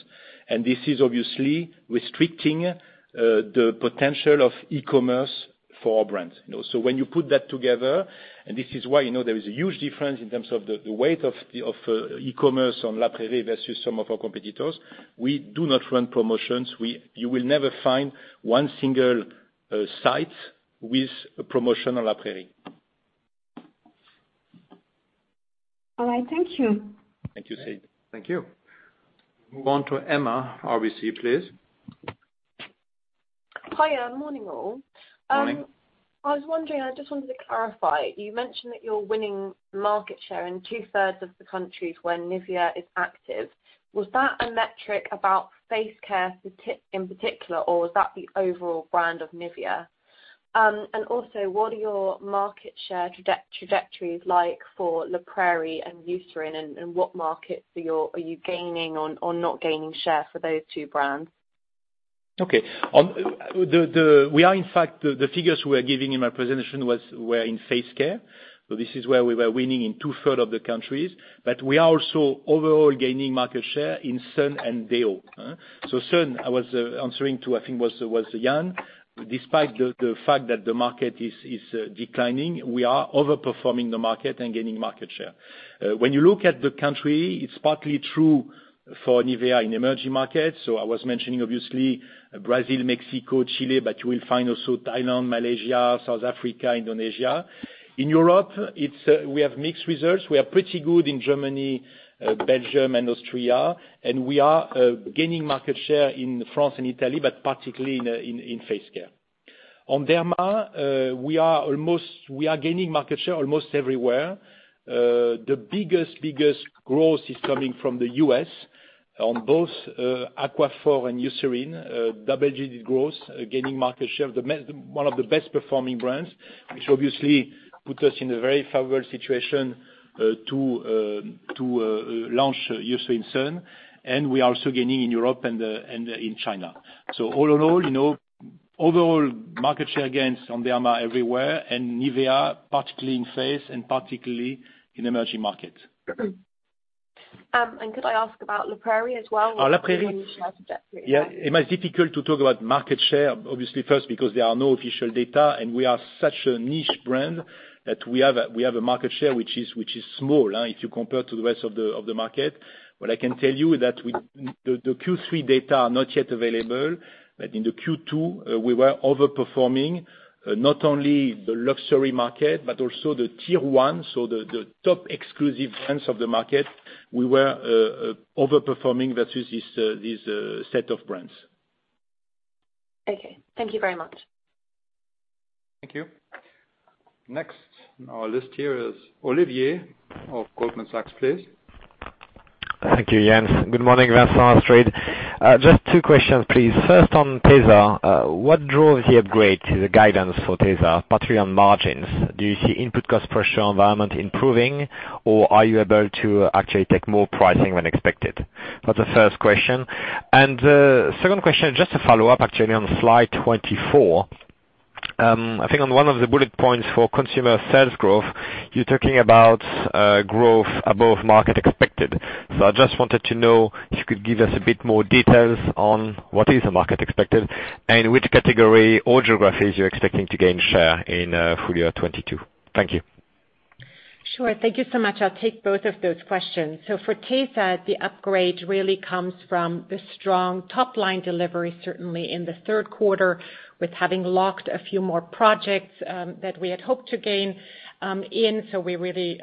and this is obviously restricting the potential of e-commerce for our brand. You know, so when you put that together, and this is why, you know, there is a huge difference in terms of the weight of e-commerce on La Prairie versus some of our competitors. We do not run promotions. You will never find one single site with a promotion on La Prairie. All right. Thank you. Thank you, Celine. Thank you. Move on to Emma, RBC, please. Hi, yeah. Morning, all. Morning. I was wondering, I just wanted to clarify, you mentioned that you're winning market share in two-thirds of the countries where NIVEA is active. Was that a metric about face care in particular, or was that the overall brand of NIVEA? Also, what are your market share trajectories like for La Prairie and Eucerin, and what markets are you gaining on or not gaining share for those two brands? Okay. On the figures we are giving in my presentation were in face care. This is where we were winning in 2/3 of the countries. We are also overall gaining market share in sun and deo. Sun, I was answering to, I think, Jan. Despite the fact that the market is declining, we are overperforming the market and gaining market share. When you look at the countries, it's partly true for NIVEA in emerging markets. I was mentioning obviously Brazil, Mexico, Chile, but you will find also Thailand, Malaysia, South Africa, Indonesia. In Europe, we have mixed results. We are pretty good in Germany, Belgium and Austria, and we are gaining market share in France and Italy, but particularly in face care. On Derma, we are gaining market share almost everywhere. The biggest growth is coming from the U.S. on both Aquaphor and Eucerin, double-digit growth, gaining market share. One of the best performing brands, which obviously put us in a very favorable situation to launch Eucerin Sun. We are also gaining in Europe and in China. All in all, you know, overall market share gains on Derma everywhere, and NIVEA, particularly in face and particularly in emerging markets. Could I ask about La Prairie as well? Oh, La Prairie. Yeah, it might be difficult to talk about market share, obviously, first because there are no official data, and we are such a niche brand that we have a market share which is small, if you compare to the rest of the market. What I can tell you is that the Q3 data are not yet available. In the Q2, we were over-performing not only the luxury market but also the tier one, so the top exclusive brands of the market, we were over-performing versus this set of brands. Okay, thank you very much. Thank you. Next on our list here is Olivier of Goldman Sachs, please. Thank you, Jens. Good morning, Vincent, Astrid. Just two questions, please. First on tesa, what drove the upgrade to the guidance for tesa, particularly on margins? Do you see input cost pressure environment improving, or are you able to actually take more pricing than expected? That's the first question. Second question, just to follow up actually on slide 24, I think on one of the bullet points for consumer sales growth, you're talking about growth above market expected. I just wanted to know if you could give us a bit more details on what is the market expected, and which category or geographies you're expecting to gain share in, full year 2022. Thank you. Sure. Thank you so much. I'll take both of those questions. For tesa, the upgrade really comes from the strong top line delivery, certainly in the third quarter with having locked a few more projects that we had hoped to gain in, so we really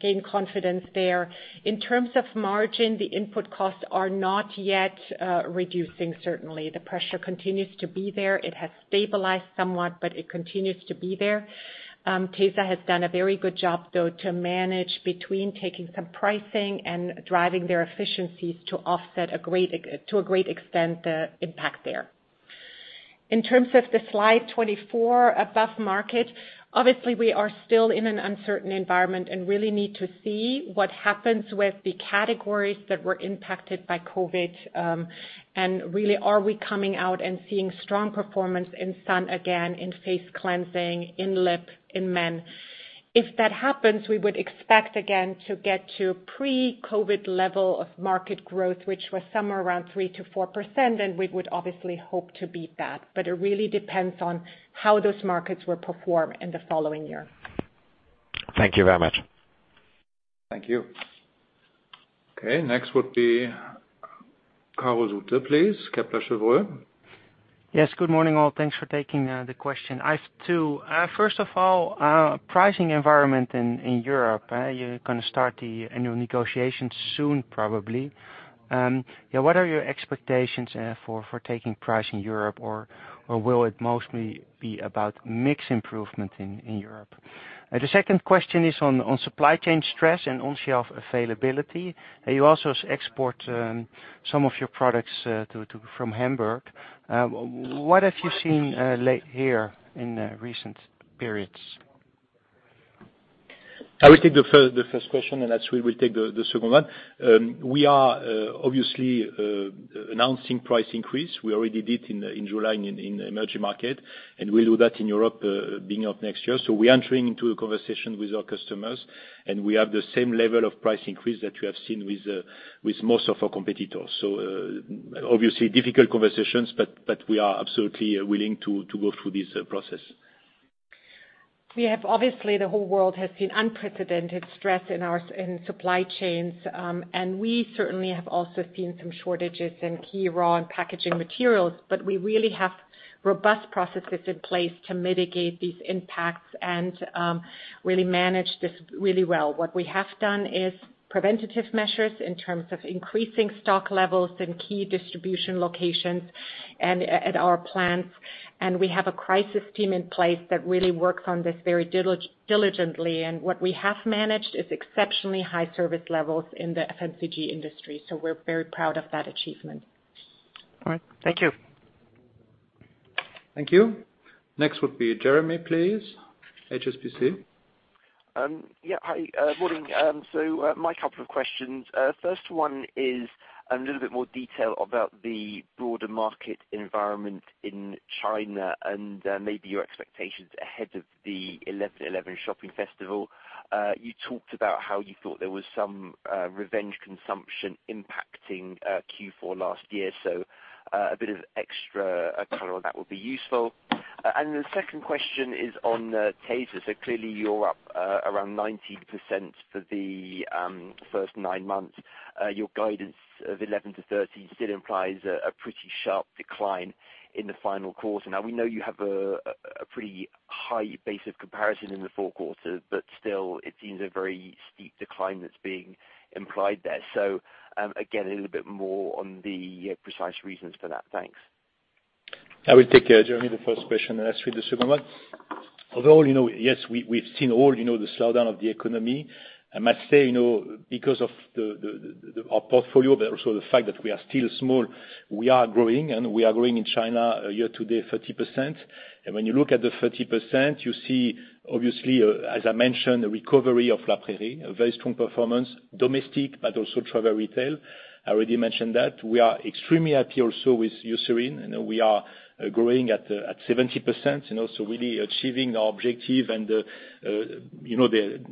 gain confidence there. In terms of margin, the input costs are not yet reducing, certainly. The pressure continues to be there. It has stabilized somewhat, but it continues to be there. Tesa has done a very good job, though, to manage between taking some pricing and driving their efficiencies to offset to a great extent the impact there. In terms of the slide 24 above market, obviously we are still in an uncertain environment and really need to see what happens with the categories that were impacted by COVID. Really, are we coming out and seeing strong performance in sun again, in face cleansing, in lip, in men. If that happens, we would expect again to get to pre-COVID level of market growth, which was somewhere around 3%-4%, and we would obviously hope to beat that. It really depends on how those markets will perform in the following year. Thank you very much. Thank you. Okay, next would be Karel Zoete, please. Kepler Cheuvreux. Yes. Good morning, all. Thanks for taking the question. I have two. First of all, pricing environment in Europe, you're gonna start the annual negotiations soon, probably. Yeah, what are your expectations for taking price in Europe or will it mostly be about mix improvement in Europe? The second question is on supply chain stress and on shelf availability. You also export some of your products from Hamburg. What have you seen lately in recent periods? I will take the first question, and Astrid will take the second one. We are obviously announcing price increase. We already did in July in emerging market, and we'll do that in Europe beginning of next year. We are entering into a conversation with our customers, and we have the same level of price increase that you have seen with most of our competitors. Obviously difficult conversations, but we are absolutely willing to go through this process. Obviously the whole world has seen unprecedented stress in our supply chains, and we certainly have also seen some shortages in key raw and packaging materials. We really have robust processes in place to mitigate these impacts and really manage this really well. What we have done is preventative measures in terms of increasing stock levels in key distribution locations and at our plants, and we have a crisis team in place that really works on this very diligently. What we have managed is exceptionally high service levels in the FMCG industry. We're very proud of that achievement. All right. Thank you. Thank you. Next would be Jeremy, please. HSBC. Yeah. Hi, morning. My couple of questions. First one is a little bit more detail about the broader market environment in China and, maybe your expectations ahead of the 11.11 shopping festival. You talked about how you thought there was some, revenge consumption impacting, Q4 last year. A bit of extra color on that would be useful. The second question is on, tesa. Clearly you're up, around 19% for the, first nine months. Your guidance of 11-13 still implies a pretty sharp decline in the final quarter. Now, we know you have a pretty high base of comparison in the fourth quarter, but still it seems a very steep decline that's being implied there. Again, a little bit more on the precise reasons for that. Thanks. I will take Jeremy, the first question, and Astrid, the second one. Although, you know, yes, we've seen all, you know, the slowdown of the economy, I must say, you know, because of the our portfolio, but also the fact that we are still small, we are growing, and we are growing in China year to date 30%. When you look at the 30%, you see obviously, as I mentioned, the recovery of La Prairie, a very strong performance, domestic, but also travel retail. I already mentioned that. We are extremely happy also with Eucerin, and we are growing at 70%, and also really achieving our objective. You know,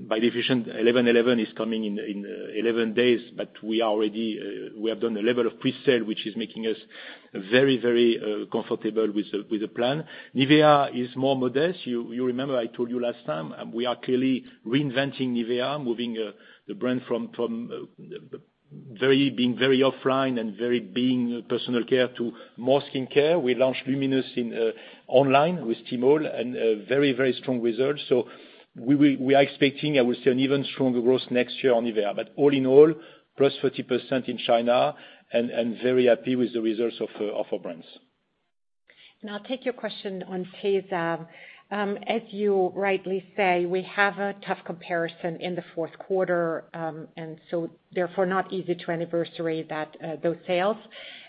by division, 11.11 is coming in 11 days. We are already, we have done a level of pre-sale, which is making us very comfortable with the plan. NIVEA is more modest. You remember I told you last time, we are clearly reinventing NIVEA, moving the brand from being very offline and very personal care to more skincare. We launched Luminous online with Tmall, and very strong results. We are expecting, I will say, an even stronger growth next year on NIVEA. All in all, +40% in China and very happy with the results of our brands. I'll take your question on tesa. As you rightly say, we have a tough comparison in the fourth quarter, and so therefore not easy to anniversary that, those sales.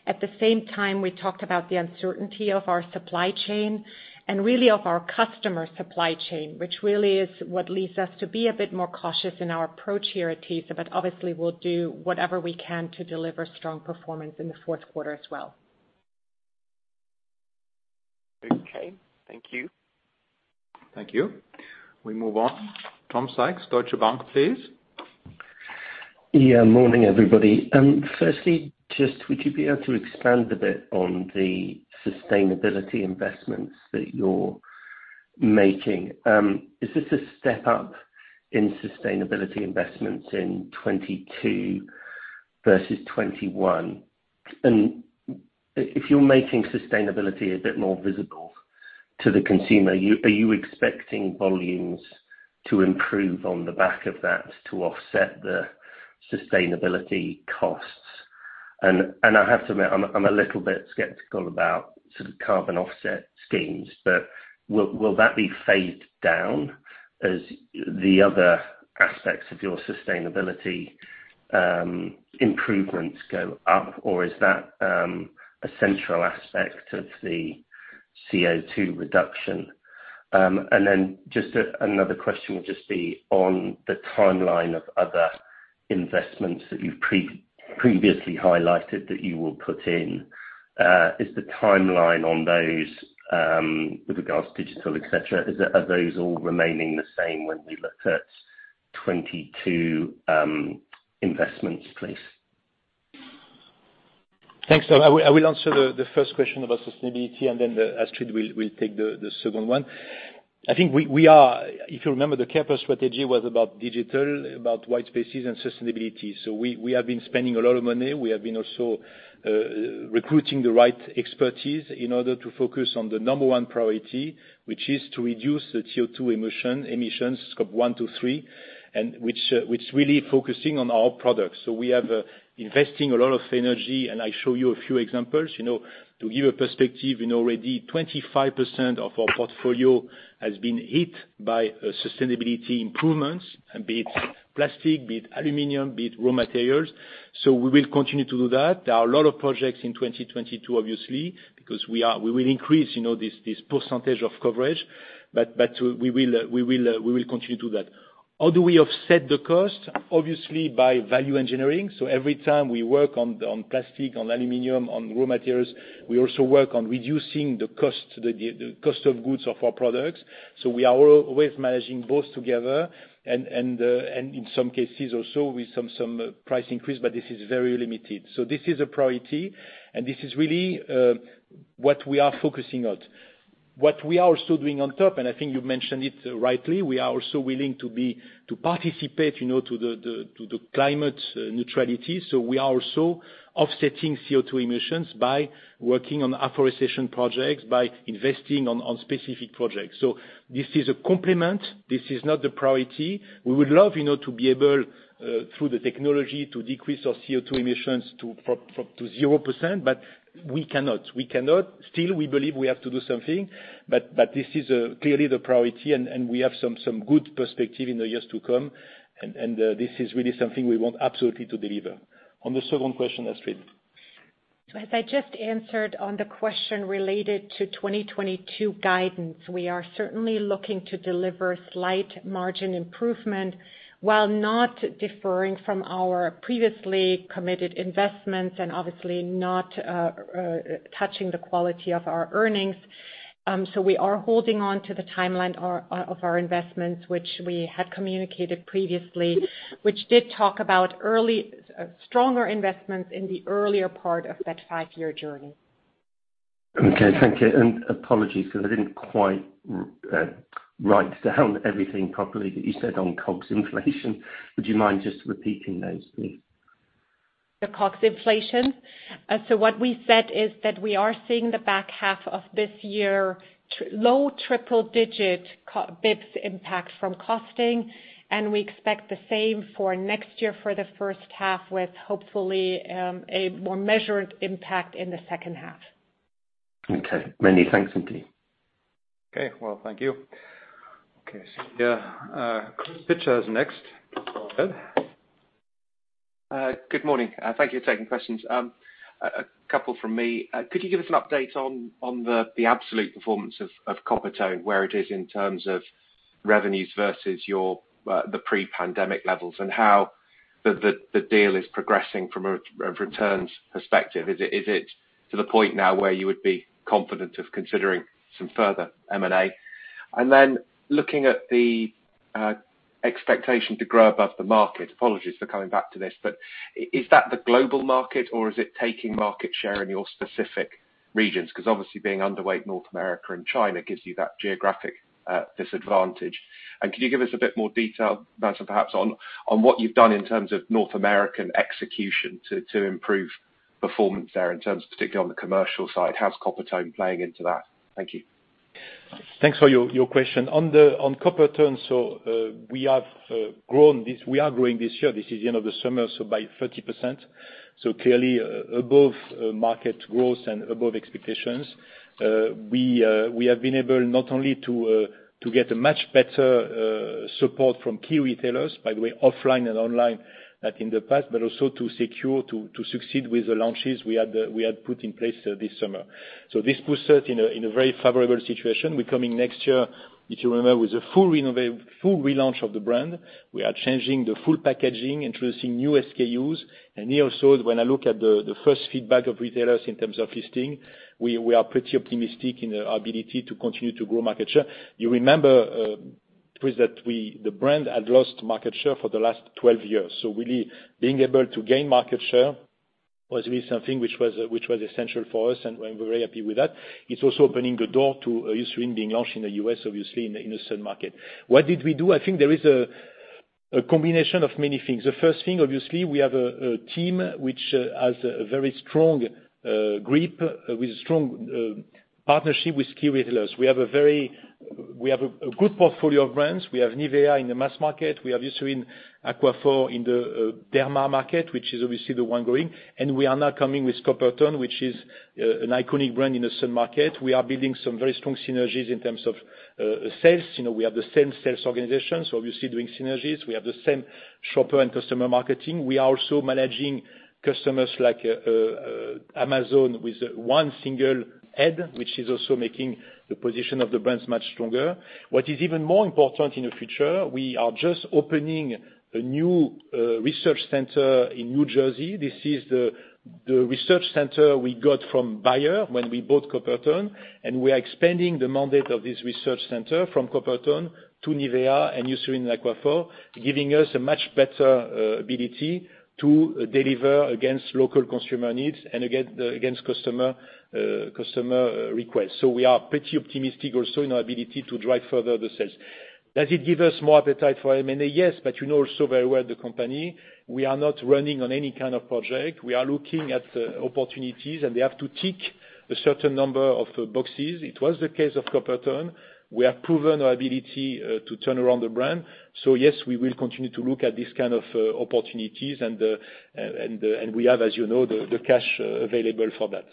At the same time, we talked about the uncertainty of our supply chain and really of our customer supply chain, which really is what leads us to be a bit more cautious in our approach here at tesa. Obviously, we'll do whatever we can to deliver strong performance in the fourth quarter as well. Okay, thank you. Thank you. We move on. Tom Sykes, Deutsche Bank, please. Good morning, everybody. First, would you be able to expand a bit on the sustainability investments that you're making? Is this a step up in sustainability investments in 2022 versus 2021? If you're making sustainability a bit more visible to the consumer, are you expecting volumes to improve on the back of that to offset the sustainability costs? I have to admit, I'm a little bit skeptical about sort of carbon offset schemes. Will that be phased down as the other aspects of your sustainability improvements go up, or is that a central aspect of the CO₂ reduction? Then another question will just be on the timeline of other investments that you've previously highlighted that you will put in. Is the timeline on those with regards to digital, et cetera, are those all remaining the same when we look at 2022 investments, please? Thanks, Tom. I will answer the first question about sustainability and then Astrid will take the second one. I think we are. If you remember, the C.A.R.E.+ strategy was about digital, about white spaces and sustainability. We have been spending a lot of money. We have been also recruiting the right expertise in order to focus on the number one priority, which is to reduce the CO₂ emissions, Scope 1 to 3, and which really focusing on our products. We have investing a lot of energy, and I show you a few examples. You know, to give a perspective, you know, already 25% of our portfolio has been hit by sustainability improvements, be it plastic, be it aluminum, be it raw materials. We will continue to do that. There are a lot of projects in 2022, obviously, because we will increase, you know, this percentage of coverage. We will continue to do that. How do we offset the cost? Obviously, by value engineering. Every time we work on plastic, on aluminum, on raw materials, we also work on reducing the cost of goods of our products. We are always managing both together and in some cases also with some price increase, but this is very limited. This is a priority, and this is really what we are focusing on. What we are also doing on top, and I think you mentioned it rightly, we are also willing to participate, you know, to the climate neutrality. We are also offsetting CO₂ emissions by working on afforestation projects, by investing on specific projects. This is a complement. This is not the priority. We would love to be able, through the technology, to decrease our CO₂ emissions to 0%, but we cannot. We cannot. Still, we believe we have to do something, but this is clearly the priority, and this is really something we want absolutely to deliver. On the second question, Astrid. As I just answered on the question related to 2022 guidance, we are certainly looking to deliver slight margin improvement while not differing from our previously committed investments and obviously not touching the quality of our earnings. We are holding on to the timeline of our investments, which we had communicated previously, which did talk about early stronger investments in the earlier part of that five year journey. Okay, thank you, and apologies because I didn't quite write down everything properly that you said on COGS inflation. Would you mind just repeating those, please? The COGS inflation? So what we said is that we are seeing the back half of this year low triple-digit bps impact from costing, and we expect the same for next year for the first half, with hopefully a more measured impact in the second half. Okay. Many thanks indeed. Okay, well thank you. Okay, so yeah, Chris Pitcher is next. Go ahead. Good morning. Thank you for taking questions. A couple from me. Could you give us an update on the absolute performance of Coppertone, where it is in terms of revenues versus the pre-pandemic levels, and how the deal is progressing from a returns perspective? Is it to the point now where you would be confident of considering some further M&A? Then looking at the expectation to grow above the market, apologies for coming back to this, but is that the global market, or is it taking market share in your specific regions? 'Cause obviously being underweight North America and China gives you that geographic disadvantage. Can you give us a bit more detail, perhaps on what you've done in terms of North American execution to improve performance there, particularly on the commercial side, how's Coppertone playing into that? Thank you. Thanks for your question. On Coppertone, we are growing this year. This is the end of the summer, by 30%, clearly above market growth and above expectations. We have been able not only to get much better support from key retailers, by the way, offline and online, than in the past, but also to secure to succeed with the launches we had put in place this summer. This puts us in a very favorable situation. We're coming next year, if you remember, with a full relaunch of the brand. We are changing the full packaging, introducing new SKUs. Here also, when I look at the first feedback of retailers in terms of listing, we are pretty optimistic in our ability to continue to grow market share. You remember, Chris, that we, the brand had lost market share for the last 12 years. Really being able to gain market share was really something which was essential for us and we're very happy with that. It's also opening the door to Eucerin being launched in the U.S., obviously in the sun market. What did we do? I think there is a combination of many things. The first thing, obviously, we have a team which has a very strong grip with strong partnership with key retailers. We have a good portfolio of brands. We have NIVEA in the mass market. We have Eucerin, Aquaphor in the derma market, which is obviously the one growing. We are now coming with Coppertone, which is an iconic brand in the sun market. We are building some very strong synergies in terms of sales. You know, we have the same sales organization, so obviously doing synergies. We have the same shopper and customer marketing. We are also managing customers like Amazon with one single head, which is also making the position of the brands much stronger. What is even more important in the future, we are just opening a new research center in New Jersey. This is the research center we got from Bayer when we bought Coppertone, and we are expanding the mandate of this research center from Coppertone to NIVEA and Eucerin, Aquaphor, giving us a much better ability to deliver against local consumer needs and against customer requests. We are pretty optimistic also in our ability to drive further the sales. Does it give us more appetite for M&A? Yes, but you know so very well the company, we are not running on any kind of project. We are looking at opportunities and they have to tick a certain number of boxes. It was the case of Coppertone. We have proven our ability to turn around the brand. Yes, we will continue to look at these kind of opportunities and we have, as you know, the cash available for that.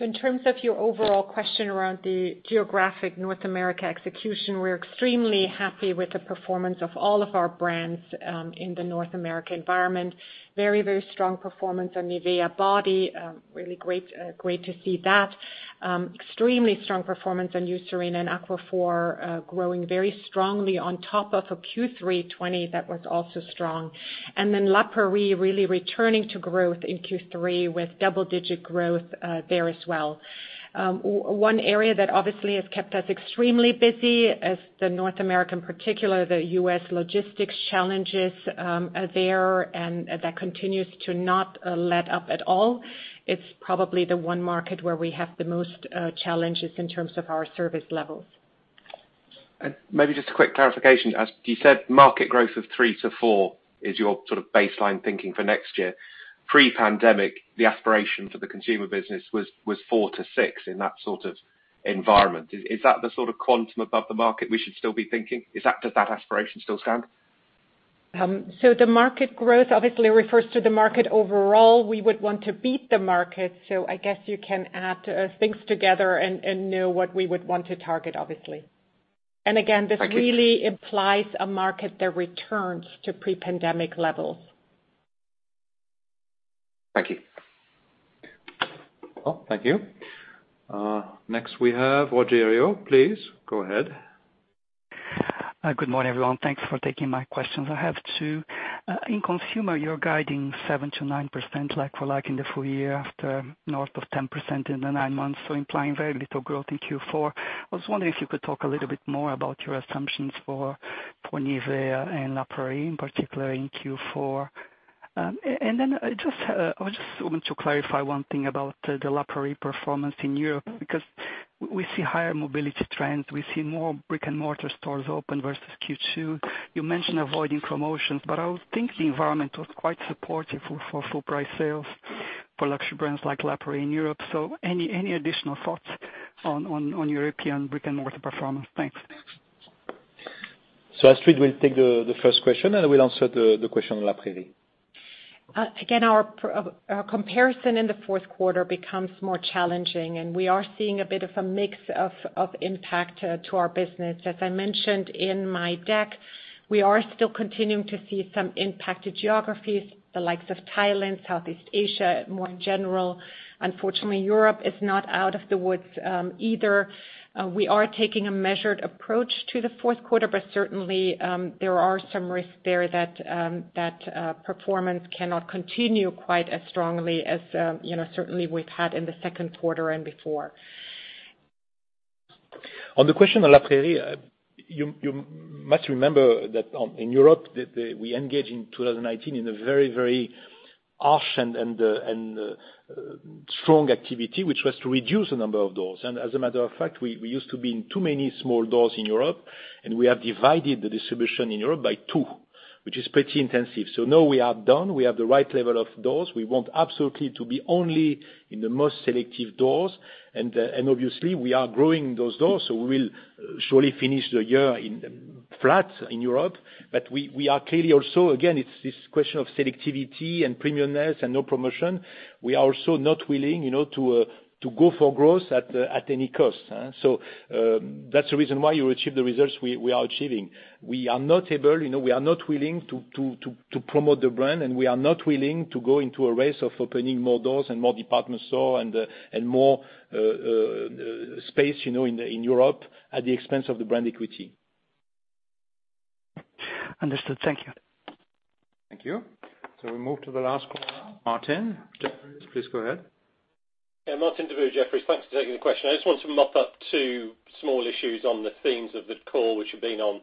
Astrid? In terms of your overall question around the geographic North America execution, we're extremely happy with the performance of all of our brands in the North America environment. Very, very strong performance on NIVEA Body. Really great to see that. Extremely strong performance on Eucerin and Aquaphor, growing very strongly on top of a Q3 2020 that was also strong. La Prairie really returning to growth in Q3 with double-digit growth there as well. One area that obviously has kept us extremely busy is North America, in particular, the U.S. logistics challenges are there and that continues to not let up at all. It's probably the one market where we have the most challenges in terms of our service levels. Maybe just a quick clarification. As you said, market growth of 3%-4% is your sort of baseline thinking for next year. Pre-pandemic, the aspiration for the consumer business was 4%-6% in that sort of environment. Is that the sort of quantum above the market we should still be thinking? Does that aspiration still stand? The market growth obviously refers to the market overall. We would want to beat the market. I guess you can add things together and know what we would want to target, obviously. Thank you. Again, this really implies a market that returns to pre-pandemic levels. Thank you. Well, thank you. Next we have Rogerio, please go ahead. Good morning, everyone. Thanks for taking my questions. I have two. In consumer, you're guiding 7%-9% like-for-like in the full year after north of 10% in the nine months, so implying very little growth in Q4. I was wondering if you could talk a little bit more about your assumptions for NIVEA and La Prairie, in particular in Q4. And then I just want to clarify one thing about the La Prairie performance in Europe, because we see higher mobility trends, we see more brick-and-mortar stores open versus Q2. You mentioned avoiding promotions, but I would think the environment was quite supportive for full price sales for luxury brands like La Prairie in Europe. Any additional thoughts on European brick-and-mortar performance? Thanks, Astrid will take the first question and will answer the question on La Prairie. Again, our comparison in the fourth quarter becomes more challenging, and we are seeing a bit of a mix of impact to our business. As I mentioned in my deck, we are still continuing to see some impacted geographies, the likes of Thailand, Southeast Asia, more in general. Unfortunately, Europe is not out of the woods, either. We are taking a measured approach to the fourth quarter, but certainly, there are some risks there that performance cannot continue quite as strongly as, you know, certainly we've had in the second quarter and before. On the question on La Prairie, you must remember that in Europe we engage in 2019 in a very harsh and strong activity, which was to reduce the number of doors. As a matter of fact, we used to be in too many small doors in Europe, and we have divided the distribution in Europe by two, which is pretty intensive. Now we are done. We have the right level of doors. We want absolutely to be only in the most selective doors. Obviously we are growing those doors, so we'll surely finish the year in flat in Europe. We are clearly also, again, it's this question of selectivity and premiumness and no promotion. We are also not willing, you know, to go for growth at any cost. That's the reason why you achieve the results we are achieving. We are not able, you know, we are not willing to promote the brand, and we are not willing to go into a race of opening more doors and more department store and more space, you know, in Europe at the expense of the brand equity. Understood. Thank you. Thank you. We move to the last caller, Martin. Please go ahead. Yeah, Martin Deboo, Jefferies. Thanks for taking the question. I just want to mop up two small issues on the themes of the call, which have been on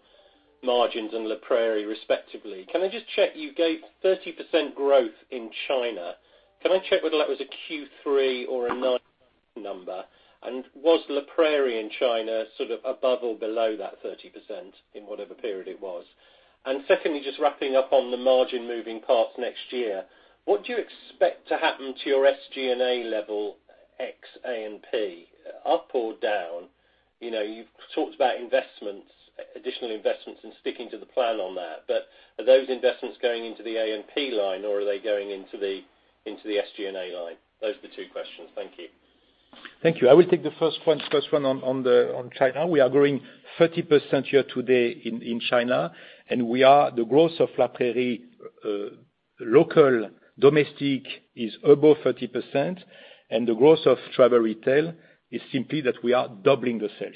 margins and La Prairie respectively. Can I just check, you gave 30% growth in China. Can I check whether that was a Q3 or a 9M number? And was La Prairie in China sort of above or below that 30% in whatever period it was? And secondly, just wrapping up on the margin moving parts next year, what do you expect to happen to your SG&A level, ex A&P, up or down? You know, you've talked about investments, additional investments and sticking to the plan on that. But are those investments going into the A&P line or are they going into the SG&A line? Those are the two questions. Thank you. Thank you. I will take the first one on China. We are growing 30% year to date in China, and the growth of La Prairie local domestic is above 30%, and the growth of travel retail is simply that we are doubling the sales.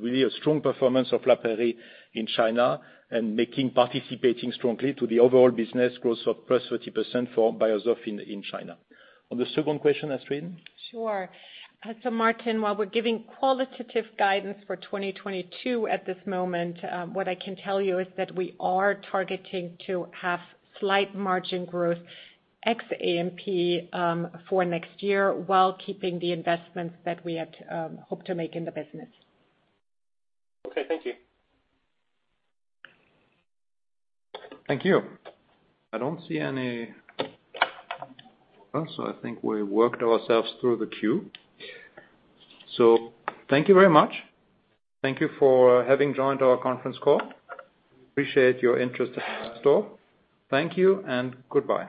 Really a strong performance of La Prairie in China and participating strongly to the overall business growth of +30% for Beiersdorf in China. On the second question, Astrid? Sure. Martin, while we're giving qualitative guidance for 2022 at this moment, what I can tell you is that we are targeting to have slight margin growth ex A&P for next year while keeping the investments that we had hoped to make in the business. Okay. Thank you. Thank you. I don't see any. I think we worked ourselves through the queue. Thank you very much. Thank you for having joined our conference call. Appreciate your interest in our story. Thank you and goodbye.